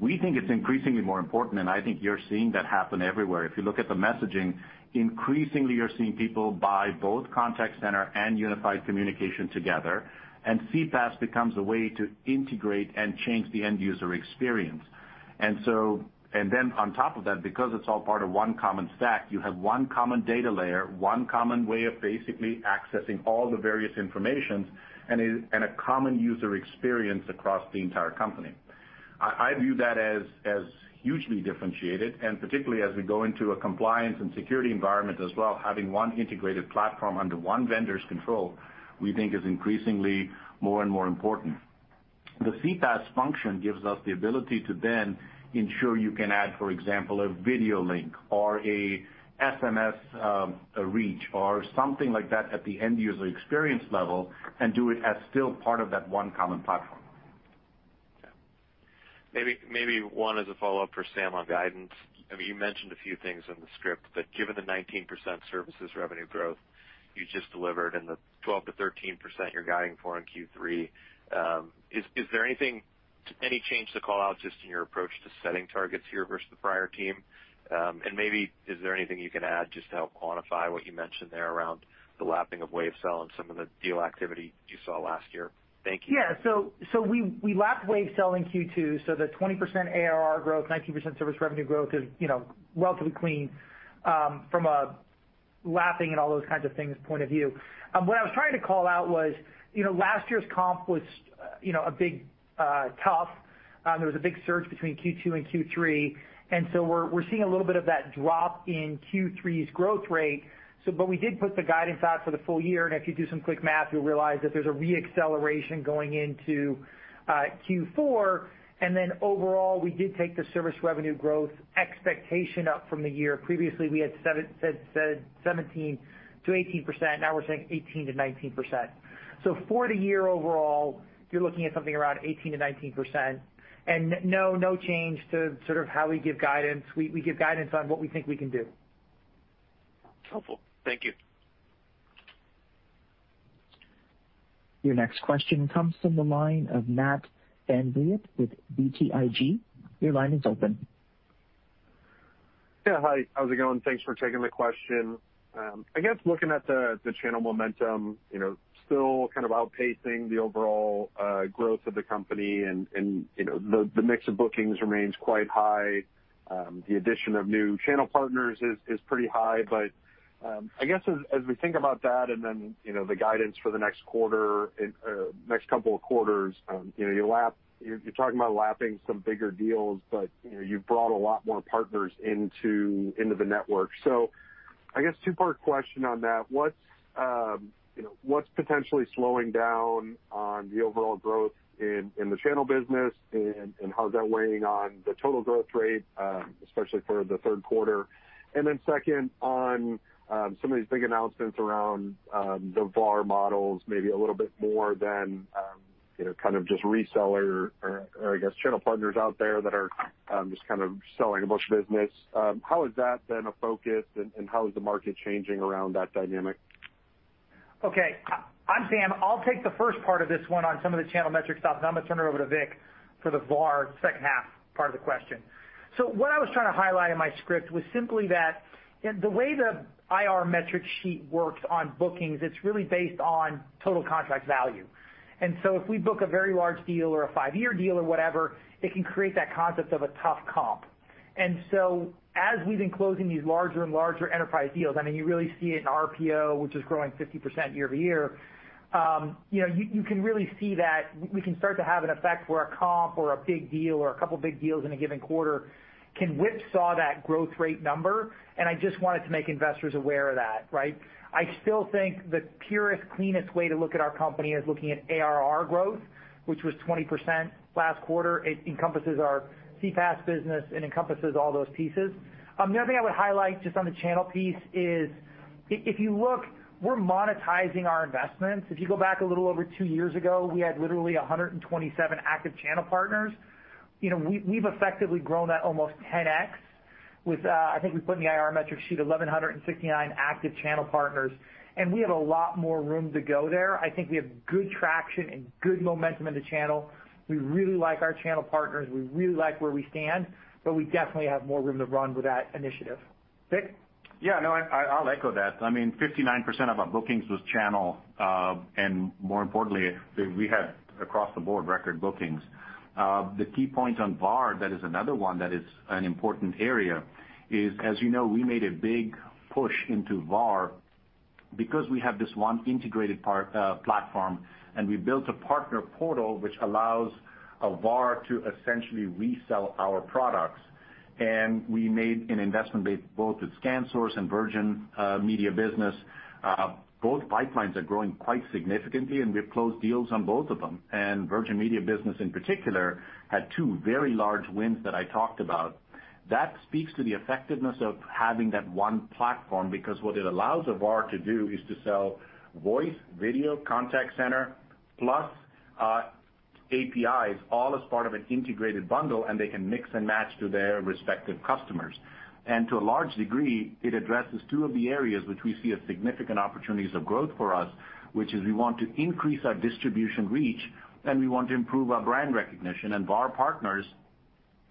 We think it's increasingly more important, and I think you're seeing that happen everywhere. If you look at the messaging, increasingly, you're seeing people buy both contact center and unified communication together, and CPaaS becomes a way to integrate and change the end-user experience. On top of that, because it's all part of one common stack, you have one common data layer, one common way of basically accessing all the various information, and a common user experience across the entire company. I view that as hugely differentiated. Particularly as we go into a compliance and security environment as well, having one integrated platform under one vendor's control, we think is increasingly more and more important. The CPaaS function gives us the ability to then ensure you can add, for example, a video link or an SMS reach or something like that at the end-user experience level and do it as still part of that one common platform. Yeah. Maybe one as a follow-up for Sam on guidance. You mentioned a few things in the script, but given the 19% services revenue growth you just delivered and the 12%-13% you're guiding for in Q3, is there any change to call out just in your approach to setting targets here versus the prior team? Maybe is there anything you can add just to help quantify what you mentioned there around the lapping of Wavecell and some of the deal activity you saw last year? Thank you. We lapped Wavecell in Q2. The 20% ARR growth, 19% service revenue growth is relatively clean from a lapping and all those kinds of things point of view. What I was trying to call out was, last year's comp was a big tough. There was a big surge between Q2 and Q3. We're seeing a little bit of that drop in Q3's growth rate. We did put the guidance out for the full year. If you do some quick math, you'll realize that there's a re-acceleration going into Q4. Overall, we did take the service revenue growth expectation up from the year. Previously, we had said 17%-18%, now we're saying 18%-19%. For the year overall, you're looking at something around 18%-19%. No change to how we give guidance. We give guidance on what we think we can do. Helpful. Thank you. Your next question comes from the line of Matt VanVliet with BTIG. Your line is open. Yeah, hi. How's it going? Thanks for taking the question. I guess looking at the channel momentum, still kind of outpacing the overall growth of the company and the mix of bookings remains quite high. The addition of new channel partners is pretty high. I guess as we think about that and then the guidance for the next couple of quarters, you're talking about lapping some bigger deals, but you've brought a lot more partners into the network. I guess two-part question on that. What's potentially slowing down on the overall growth in the channel business, and how's that weighing on the total growth rate, especially for the third quarter? Second, on some of these big announcements around the VAR models, maybe a little bit more than just reseller or I guess channel partners out there that are just kind of selling a bunch of business. How is that been a focus, and how is the market changing around that dynamic? Okay. I'm Sam, I'll take the first part of this one on some of the channel metrics stuff, and I'm going to turn it over to Vik for the VAR second half part of the question. What I was trying to highlight in my script was simply that the way the IR metric sheet works on bookings, it's really based on total contract value. If we book a very large deal or a five-year deal or whatever, it can create that concept of a tough comp. As we've been closing these larger and larger enterprise deals, I mean, you really see it in RPO, which is growing 50% year-over-year. You can really see that we can start to have an effect where a comp or a big deal or a couple big deals in a given quarter can whipsaw that growth rate number. I just wanted to make investors aware of that, right? I still think the purest, cleanest way to look at our company is looking at ARR growth, which was 20% last quarter. It encompasses our CPaaS business and encompasses all those pieces. The other thing I would highlight just on the channel piece is, if you look, we're monetizing our investments. If you go back a little over two years ago, we had literally 127 active channel partners. We've effectively grown that almost 10x with, I think we put in the IR metric sheet 1,169 active channel partners. We have a lot more room to go there. I think we have good traction and good momentum in the channel. We really like our channel partners. We really like where we stand. We definitely have more room to run with that initiative. Vik? Yeah, no, I'll echo that. I mean, 59% of our bookings was channel. More importantly, we had across the board record bookings. The key point on VAR, that is another one that is an important area, is, as you know, we made a big push into VAR because we have this one integrated platform, and we built a partner portal which allows a VAR to essentially resell our products. We made an investment both with ScanSource and Virgin Media Business. Both pipelines are growing quite significantly, and we've closed deals on both of them. Virgin Media Business in particular, had two very large wins that I talked about. That speaks to the effectiveness of having that one platform because what it allows a VAR to do is to sell voice, video, contact center, plus APIs, all as part of an integrated bundle, and they can mix and match to their respective customers. To a large degree, it addresses two of the areas which we see as significant opportunities of growth for us, which is we want to increase our distribution reach, and we want to improve our brand recognition. VAR partners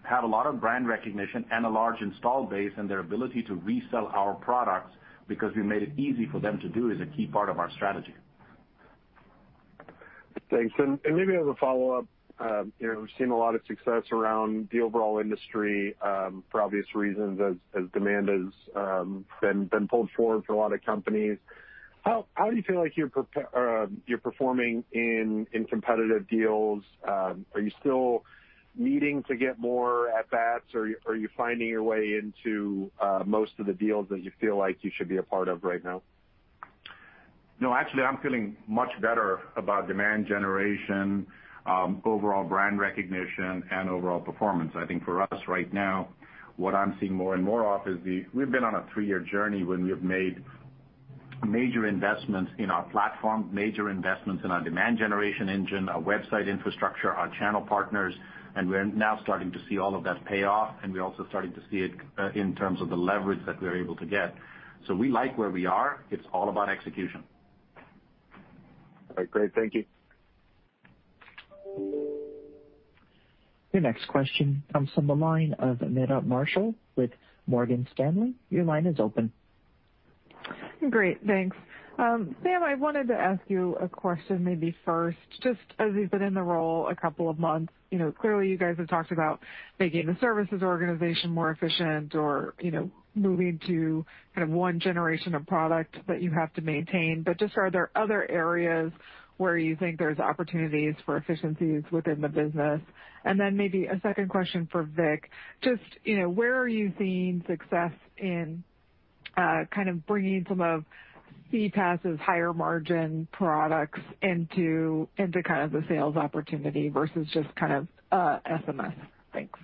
have a lot of brand recognition and a large install base, and their ability to resell our products because we made it easy for them to do is a key part of our strategy. Thanks. Maybe as a follow-up, we've seen a lot of success around the overall industry, for obvious reasons, as demand has been pulled forward for a lot of companies. How do you feel like you're performing in competitive deals? Are you still needing to get more at bats? Are you finding your way into most of the deals that you feel like you should be a part of right now? No, actually, I'm feeling much better about demand generation, overall brand recognition, and overall performance. I think for us right now, what I'm seeing more and more of is we've been on a three-year journey when we have made major investments in our platform, major investments in our demand generation engine, our website infrastructure, our channel partners, and we're now starting to see all of that pay off, and we're also starting to see it in terms of the leverage that we're able to get. We like where we are. It's all about execution. All right, great. Thank you. Your next question comes from the line of Meta Marshall with Morgan Stanley. Great, thanks. Sam, I wanted to ask you a question maybe first, just as you've been in the role a couple of months. Clearly you guys have talked about making the services organization more efficient or moving to one generation of product that you have to maintain. Just are there other areas where you think there's opportunities for efficiencies within the business? Maybe a second question for Vik. Just where are you seeing success in bringing some of CPaaS's higher margin products into the sales opportunity versus just SMS? Thanks.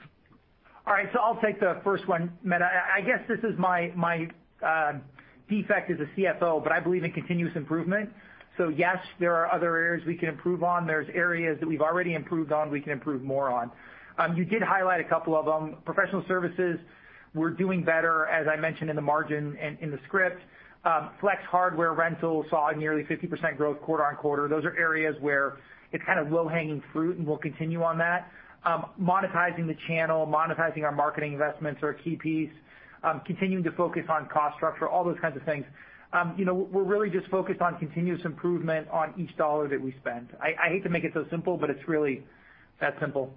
I'll take the first one, Meta. I guess this is my defect as a CFO, but I believe in continuous improvement. Yes, there are other areas we can improve on. There's areas that we've already improved on, we can improve more on. You did highlight a couple of them. Professional services, we're doing better, as I mentioned in the margin and in the script. Flex hardware rental saw nearly 50% growth quarter-on-quarter. Those are areas where it's low-hanging fruit, and we'll continue on that. Monetizing the channel, monetizing our marketing investments are a key piece. Continuing to focus on cost structure, all those kinds of things. We're really just focused on continuous improvement on each dollar that we spend. I hate to make it so simple, but it's really that simple.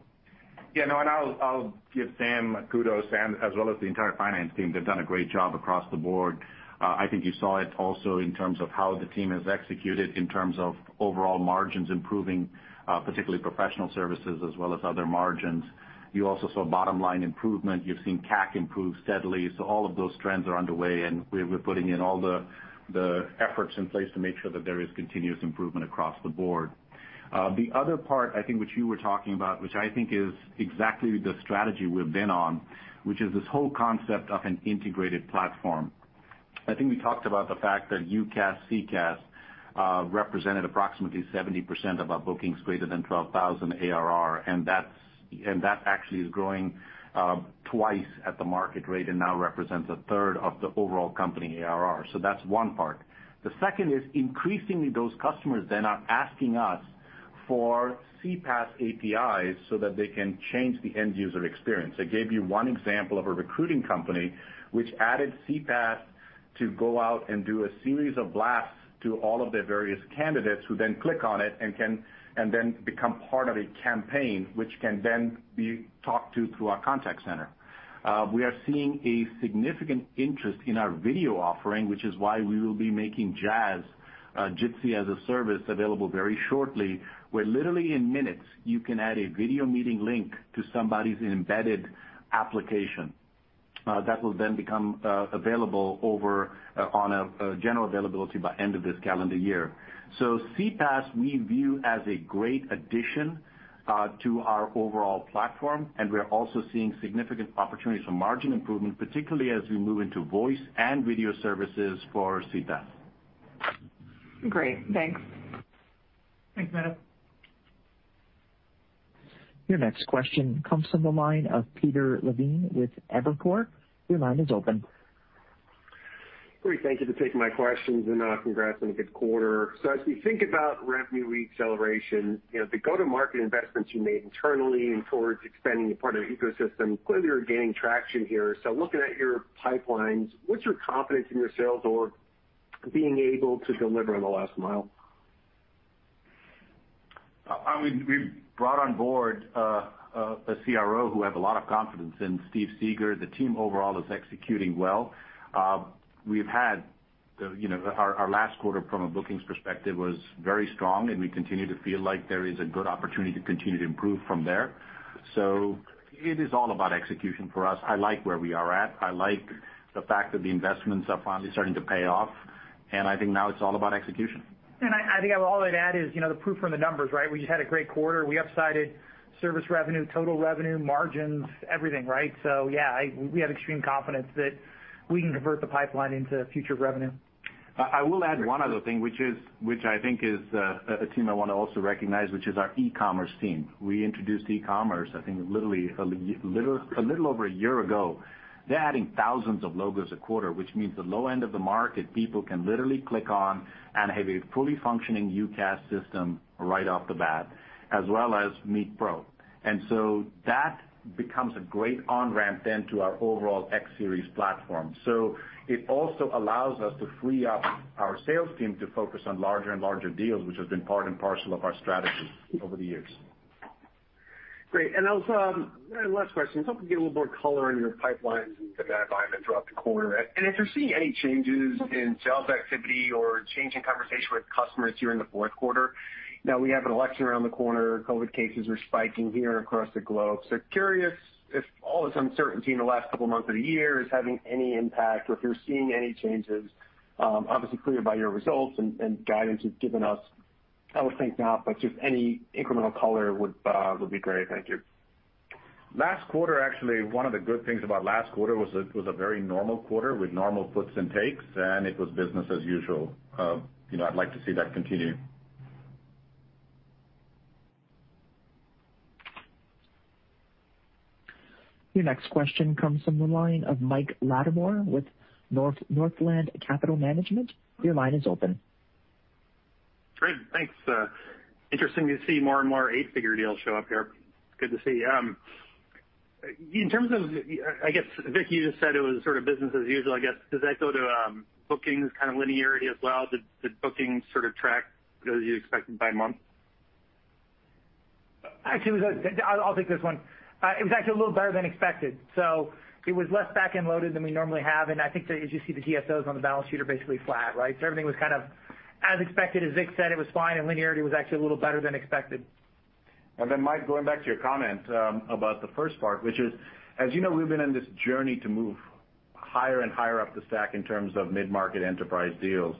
Yeah. I'll give Sam kudos, Sam, as well as the entire finance team. They've done a great job across the board. I think you saw it also in terms of how the team has executed in terms of overall margins improving, particularly professional services as well as other margins. You also saw bottom-line improvement. You've seen CAC improve steadily. All of those trends are underway, and we're putting in all the efforts in place to make sure that there is continuous improvement across the board. The other part, I think, which you were talking about, which I think is exactly the strategy we've been on, which is this whole concept of an integrated platform. I think we talked about the fact that UCaaS, CPaaS, represented approximately 70% of our bookings greater than 12,000 ARR, and that actually is growing twice at the market rate and now represents a third of the overall company ARR. That's one part. The second is increasingly those customers then are asking us for CPaaS APIs so that they can change the end user experience. I gave you one example of a recruiting company which added CPaaS to go out and do a series of blasts to all of their various candidates who then click on it and then become part of a campaign, which can then be talked to through our contact center. We are seeing a significant interest in our video offering, which is why we will be making JaaS, Jitsi as a Service, available very shortly, where literally in minutes you can add a video meeting link to somebody's embedded application. That will then become available over on a general availability by end of this calendar year. CPaaS we view as a great addition to our overall platform, and we're also seeing significant opportunities for margin improvement, particularly as we move into voice and video services for CPaaS. Great. Thanks. Thanks, Meta. Your next question comes from the line of Peter Levine with Evercore. Your line is open. Thank you for taking my questions. Congrats on a good quarter. As we think about revenue acceleration, the go-to-market investments you made internally and towards expanding your partner ecosystem, clearly you're gaining traction here. Looking at your pipelines, what's your confidence in your sales org being able to deliver in the last mile? We brought on board a CRO who I have a lot of confidence in, Steve Seger. The team overall is executing well. Our last quarter from a bookings perspective was very strong, and we continue to feel like there is a good opportunity to continue to improve from there. It is all about execution for us. I like where we are at. I like the fact that the investments are finally starting to pay off, and I think now it's all about execution. I think all I'd add is the proof are in the numbers, right? We just had a great quarter. We upsided service revenue, total revenue, margins, everything, right? Yeah, we have extreme confidence that we can convert the pipeline into future revenue. I will add one other thing, which I think is a team I want to also recognize, which is our e-commerce team. We introduced e-commerce, I think, a little over a year ago. They're adding thousands of logos a quarter, which means the low end of the market, people can literally click on and have a fully functioning UCaaS system right off the bat, as well as Meet Pro. That becomes a great on-ramp then to our overall X Series platform. It also allows us to free up our sales team to focus on larger and larger deals, which has been part and parcel of our strategy over the years. Great. Also, one last question. Just help me get a little more color on your pipelines and demand environment throughout the quarter. If you're seeing any changes in sales activity or change in conversation with customers here in the fourth quarter. Now we have an election around the corner, COVID cases are spiking here and across the globe. Curious if all this uncertainty in the last couple of months of the year is having any impact or if you're seeing any changes. Obviously clear by your results and guidance you've given us, I would think not, but just any incremental color would be great. Thank you. Last quarter, actually, one of the good things about last quarter was it was a very normal quarter with normal puts and takes, and it was business as usual. I'd like to see that continue. Your next question comes from the line of Mike Latimore with Northland Capital Markets. Your line is open. Thanks. Interesting to see more and more 8-figure deals show up here. It's good to see. In terms of, I guess, Vik, you just said it was sort of business as usual, I guess. Does that go to bookings kind of linearity as well? Did the bookings sort of track as you expected by month? Actually, I'll take this one. It was actually a little better than expected, it was less back-end loaded than we normally have. I think that as you see the DSOs on the balance sheet are basically flat, right? Everything was kind of as expected, as Vik said, it was fine, linearity was actually a little better than expected. Then Mike, going back to your comment about the first part, which is, as you know, we've been on this journey to move higher and higher up the stack in terms of mid-market enterprise deals.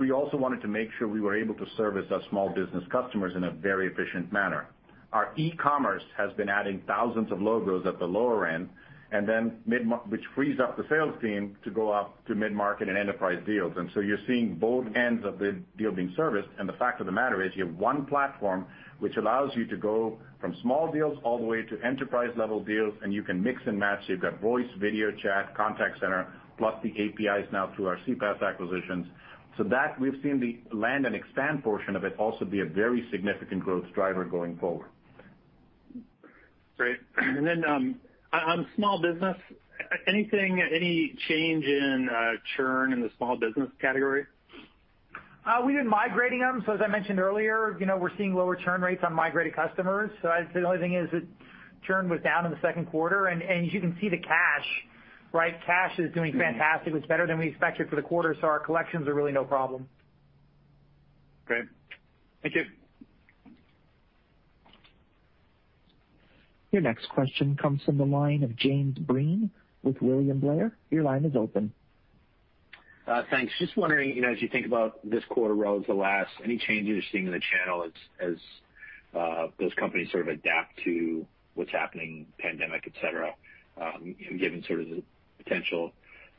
We also wanted to make sure we were able to service our small business customers in a very efficient manner. Our e-commerce has been adding thousands of logos at the lower end, which frees up the sales team to go up to mid-market and enterprise deals. You're seeing both ends of the deal being serviced. The fact of the matter is you have one platform, which allows you to go from small deals all the way to enterprise-level deals, and you can mix and match. You've got voice, video, chat, contact center, plus the APIs now through our CPaaS acquisitions. We've seen the land and expand portion of it also be a very significant growth driver going forward. Great. On small business, any change in churn in the small business category? We've been migrating them. As I mentioned earlier, we're seeing lower churn rates on migrated customers. I'd say the only thing is that churn was down in the second quarter, and as you can see the cash, right. Cash is doing fantastic. It was better than we expected for the quarter. Our collections are really no problem. Great. Thank you. Your next question comes from the line of James Breen with William Blair. Your line is open. Thanks. Just wondering, as you think about this quarter relative to last, any changes you're seeing in the channel as those companies sort of adapt to what's happening, pandemic, et cetera? Given sort of the potential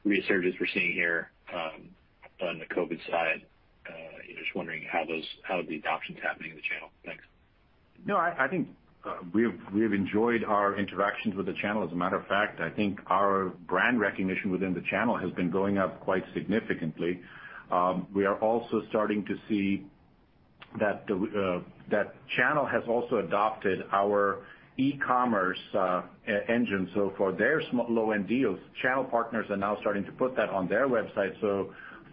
resurges we're seeing here on the COVID side, just wondering how the adoption's happening in the channel. Thanks. No, I think we've enjoyed our interactions with the channel. As a matter of fact, I think our brand recognition within the channel has been going up quite significantly. We are also starting to see that channel has also adopted our e-commerce engine. For their low-end deals, channel partners are now starting to put that on their website.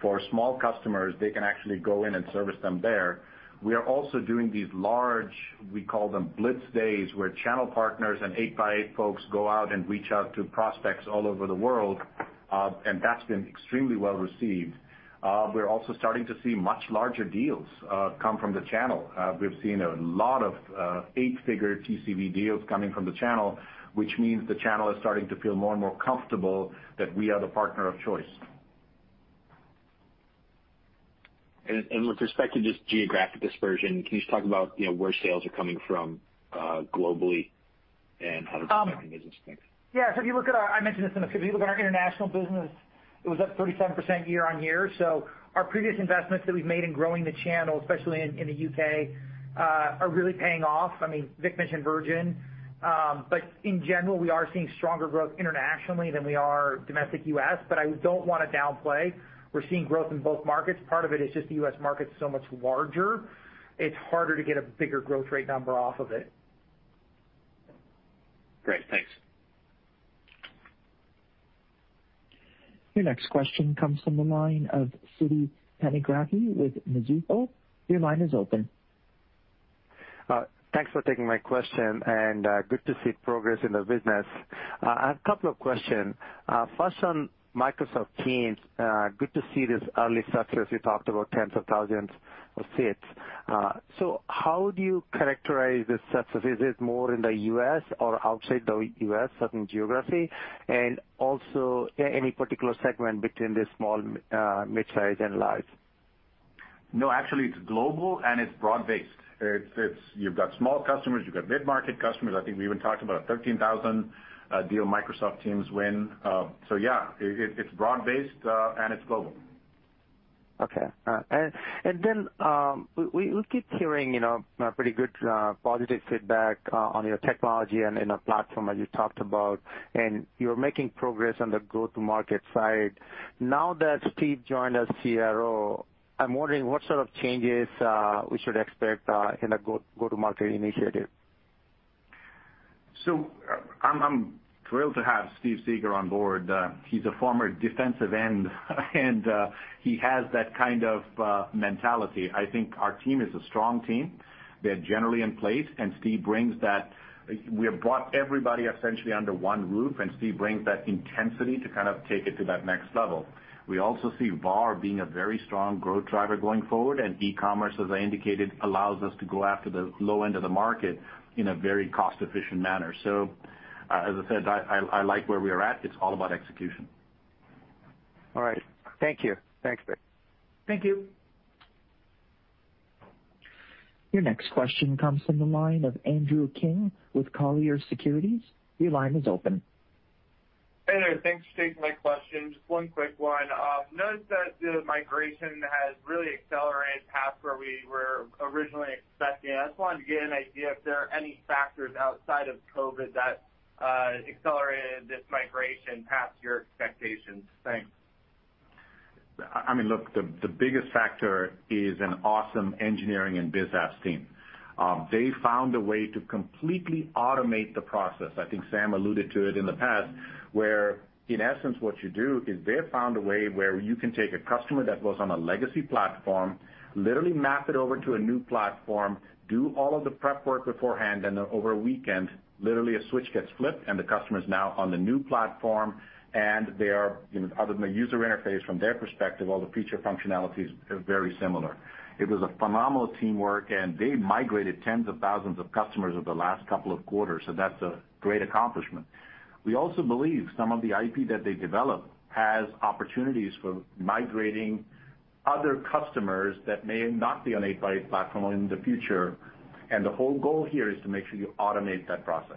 For small customers, they can actually go in and service them there. We are also doing these large, we call them blitz days, where channel partners and 8x8 folks go out and reach out to prospects all over the world, and that's been extremely well-received. We're also starting to see much larger deals come from the channel. We've seen a lot of 8-figure TCV deals coming from the channel, which means the channel is starting to feel more and more comfortable that we are the partner of choice. With respect to just geographic dispersion, can you just talk about where sales are coming from globally and how that's affecting business? Thanks. Yeah. I mentioned this in a few. If you look at our international business, it was up 37% year-over-year. Our previous investments that we've made in growing the channel, especially in the U.K., are really paying off. Vik mentioned Virgin. In general, we are seeing stronger growth internationally than we are domestic U.S. I don't want to downplay. We're seeing growth in both markets. Part of it is just the U.S. market's so much larger, it's harder to get a bigger growth rate number off of it. Great. Thanks. Your next question comes from the line of Siti Panigrahi with Mizuho. Your line is open. Thanks for taking my question, and good to see progress in the business. A couple of questions. First on Microsoft Teams, good to see this early success. You talked about tens of thousands of seats. How do you characterize this success? Is it more in the U.S. or outside the U.S., certain geography? Also, any particular segment between the small, mid-size, and large? Actually, it's global and it's broad-based. You've got small customers, you've got mid-market customers. I think we even talked about a 13,000 deal Microsoft Teams win. Yeah, it's broad-based, and it's global. Okay. We keep hearing pretty good positive feedback on your technology and in a platform, as you talked about, and you're making progress on the go-to-market side. Now that Steve joined as CRO, I'm wondering what sort of changes we should expect in a go-to-market initiative. I'm thrilled to have Steve Seger on board. He's a former defensive end and he has that kind of mentality. I think our team is a strong team. They're generally in place, and we have brought everybody essentially under one roof, and Steve brings that intensity to kind of take it to that next level. We also see VAR being a very strong growth driver going forward, and e-commerce, as I indicated, allows us to go after the low end of the market in a very cost-efficient manner. As I said, I like where we are at. It's all about execution. All right. Thank you. Thanks, Vik. Thank you. Your next question comes from the line of Andrew King with Colliers Securities. Your line is open. Hey there. Thanks for taking my question. Just one quick one. Noticed that the migration has really accelerated past where we were originally expecting. I just wanted to get an idea if there are any factors outside of COVID that accelerated this migration past your expectations. Thanks. Look, the biggest factor is an awesome engineering and biz apps team. They found a way to completely automate the process. I think Sam alluded to it in the past, where, in essence, what you do is they have found a way where you can take a customer that was on a legacy platform, literally map it over to a new platform, do all of the prep work beforehand, and then over a weekend, literally a switch gets flipped and the customer's now on the new platform, and other than the user interface from their perspective, all the feature functionalities are very similar. It was a phenomenal teamwork, and they migrated tens of thousands of customers over the last couple of quarters, so that's a great accomplishment. We also believe some of the IP that they developed has opportunities for migrating other customers that may not be on 8x8 platform in the future. The whole goal here is to make sure you automate that process.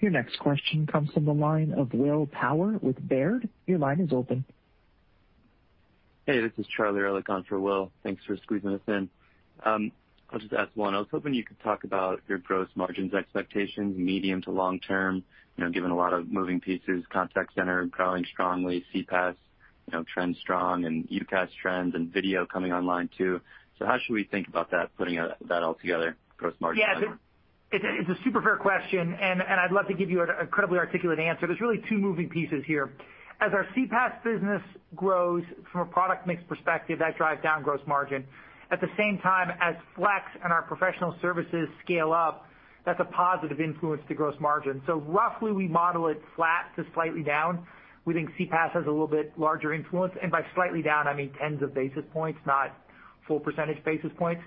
Your next question comes from the line of Will Power with Baird. Your line is open. Hey, this is Charlie on for Will. Thanks for squeezing us in. I'll just ask one. I was hoping you could talk about your gross margins expectations, medium to long term, given a lot of moving pieces, contact center growing strongly, CPaaS trends strong, and UCaaS trends, and video coming online too. How should we think about that, putting that all together, gross margin? It's a super fair question, and I'd love to give you an incredibly articulate answer. There's really two moving pieces here. As our CPaaS business grows from a product mix perspective, that drives down gross margin. At the same time, as Flex and our professional services scale up, that's a positive influence to gross margin. Roughly, we model it flat to slightly down. We think CPaaS has a little bit larger influence, and by slightly down, I mean tens of basis points, not full percentage basis points.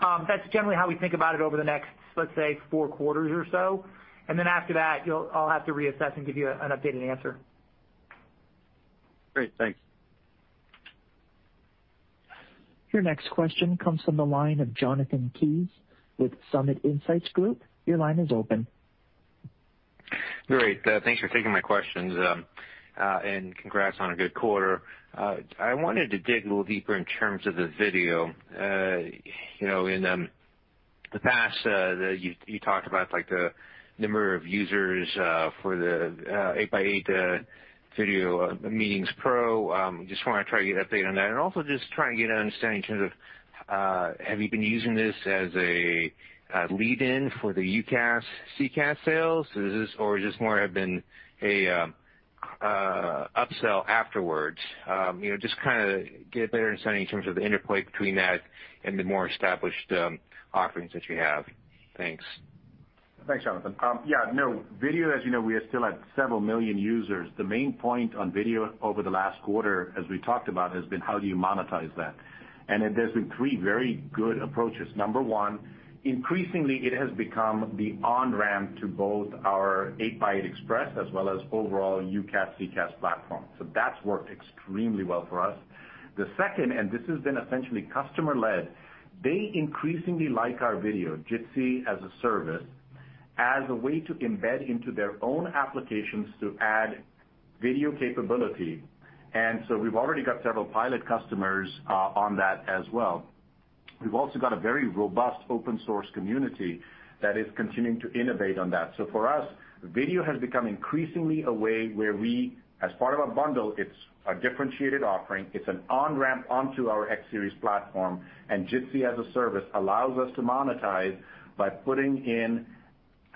That's generally how we think about it over the next, let's say, four quarters or so. After that, I'll have to reassess and give you an updated answer. Great. Thanks. Your next question comes from the line of Jonathan Kees with Summit Insights Group. Your line is open. Great. Thanks for taking my questions, and congrats on a good quarter. I wanted to dig a little deeper in terms of the video. In the past, you talked about the number of users for the 8x8 Video Meetings Pro. Just want to try to get an update on that. Also just trying to get an understanding in terms of, have you been using this as a lead-in for the UCaaS, CCaaS sales? Or is this more have been a upsell afterwards? Just get a better understanding in terms of the interplay between that and the more established offerings that you have. Thanks. Thanks, Jonathan. Video, as you know, we are still at several million users. The main point on video over the last quarter, as we talked about, has been how do you monetize that? There's been three very good approaches. Number one, increasingly, it has become the on-ramp to both our 8x8 Express as well as overall UCaaS, CCaaS platform. That's worked extremely well for us. The second, and this has been essentially customer-led, they increasingly like our video, Jitsi as a Service, as a way to embed into their own applications to add video capability. We've already got several pilot customers on that as well. We've also got a very robust open-source community that is continuing to innovate on that. For us, video has become increasingly a way where we, as part of a bundle, it's a differentiated offering, it's an on-ramp onto our X Series platform. Jitsi as a Service allows us to monetize by putting in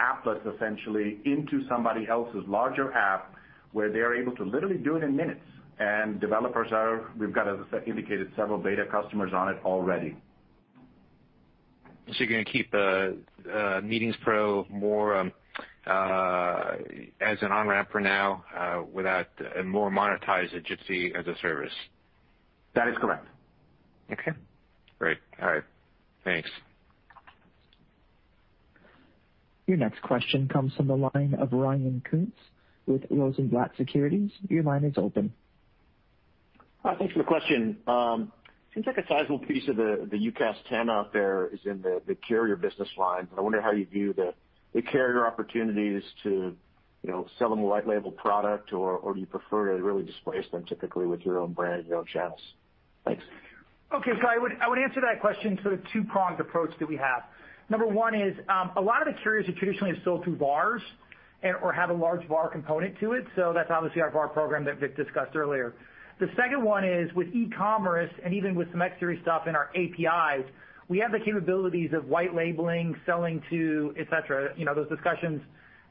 applets, essentially, into somebody else's larger app, where they are able to literally do it in minutes. Developers are, we've got, as I indicated, several beta customers on it already. You're going to keep Meet Pro more as an on-ramp for now and more monetize the Jitsi as a Service? That is correct. Okay, great. All right. Thanks. Your next question comes from the line of Ryan Koontz with Rosenblatt Securities. Your line is open. Thanks for the question. Seems like a sizable piece of the UCaaS TAM out there is in the carrier business line. I wonder how you view the carrier opportunities to sell them a white label product, or do you prefer to really displace them typically with your own brand and your own channels? Thanks. I would answer that question through a two-pronged approach that we have. Number one is, a lot of the carriers who traditionally have sold through VARs or have a large VAR component to it, that is obviously our VAR program that Vik discussed earlier. The second one is with e-commerce and even with some X Series stuff in our APIs, we have the capabilities of white labeling, selling to, et cetera. Those discussions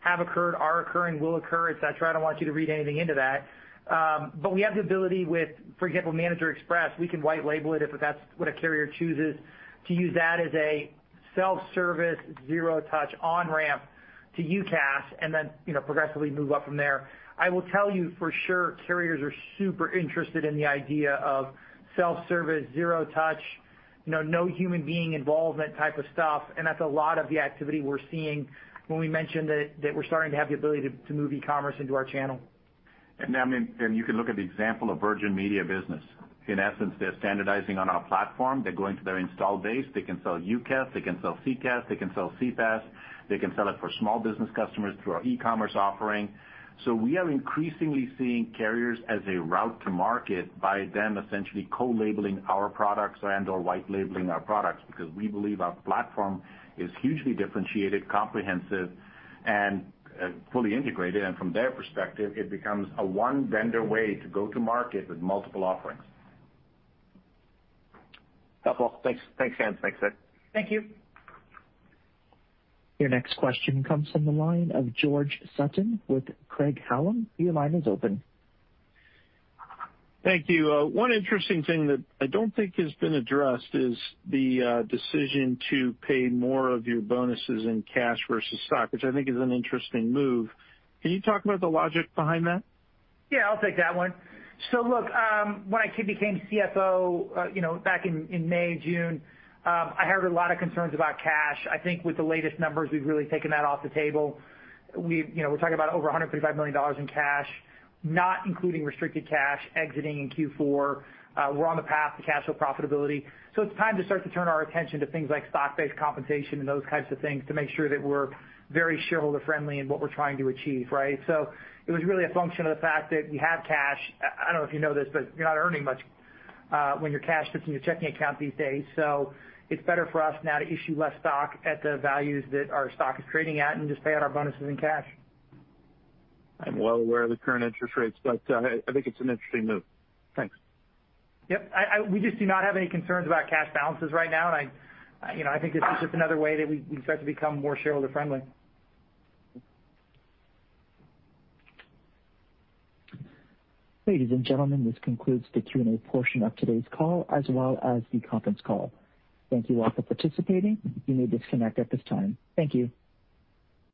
have occurred, are occurring, will occur, et cetera. I do not want you to read anything into that. We have the ability with, for example, 8x8 Express, we can white label it if that is what a carrier chooses to use that as a self-service, zero-touch on-ramp to UCaaS, and then progressively move up from there. I will tell you for sure, carriers are super interested in the idea of self-service, zero-touch, no human being involvement type of stuff, and that's a lot of the activity we're seeing when we mentioned that we're starting to have the ability to move e-commerce into our channel. You can look at the example of Virgin Media Business. In essence, they're standardizing on our platform. They're going through their install base. They can sell UCaaS, they can sell CCaaS, they can sell CPaaS, they can sell it for small business customers through our e-commerce offering. We are increasingly seeing carriers as a route to market by them essentially co-labeling our products and/or white labeling our products because we believe our platform is hugely differentiated, comprehensive, and fully integrated. From their perspective, it becomes a one-vendor way to go to market with multiple offerings. Helpful. Thanks. Thanks, Sam. Thanks, Vik. Thank you. Your next question comes from the line of George Sutton with Craig-Hallum. Your line is open. Thank you. One interesting thing that I don't think has been addressed is the decision to pay more of your bonuses in cash versus stock, which I think is an interesting move. Can you talk about the logic behind that? Yeah, I'll take that one. Look, when I became CFO back in May, June, I heard a lot of concerns about cash. I think with the latest numbers, we've really taken that off the table. We're talking about over $155 million in cash, not including restricted cash exiting in Q4. We're on the path to cash flow profitability. It's time to start to turn our attention to things like stock-based compensation and those kinds of things to make sure that we're very shareholder-friendly in what we're trying to achieve, right? It was really a function of the fact that we have cash. I don't know if you know this, but you're not earning much when your cash sits in your checking account these days. It's better for us now to issue less stock at the values that our stock is trading at and just pay out our bonuses in cash. I'm well aware of the current interest rates, but I think it's an interesting move. Thanks. Yep. We just do not have any concerns about cash balances right now, and I think this is just another way that we start to become more shareholder-friendly. Ladies and gentlemen, this concludes the Q&A portion of today's call, as well as the conference call. Thank you all for participating. You may disconnect at this time. Thank you.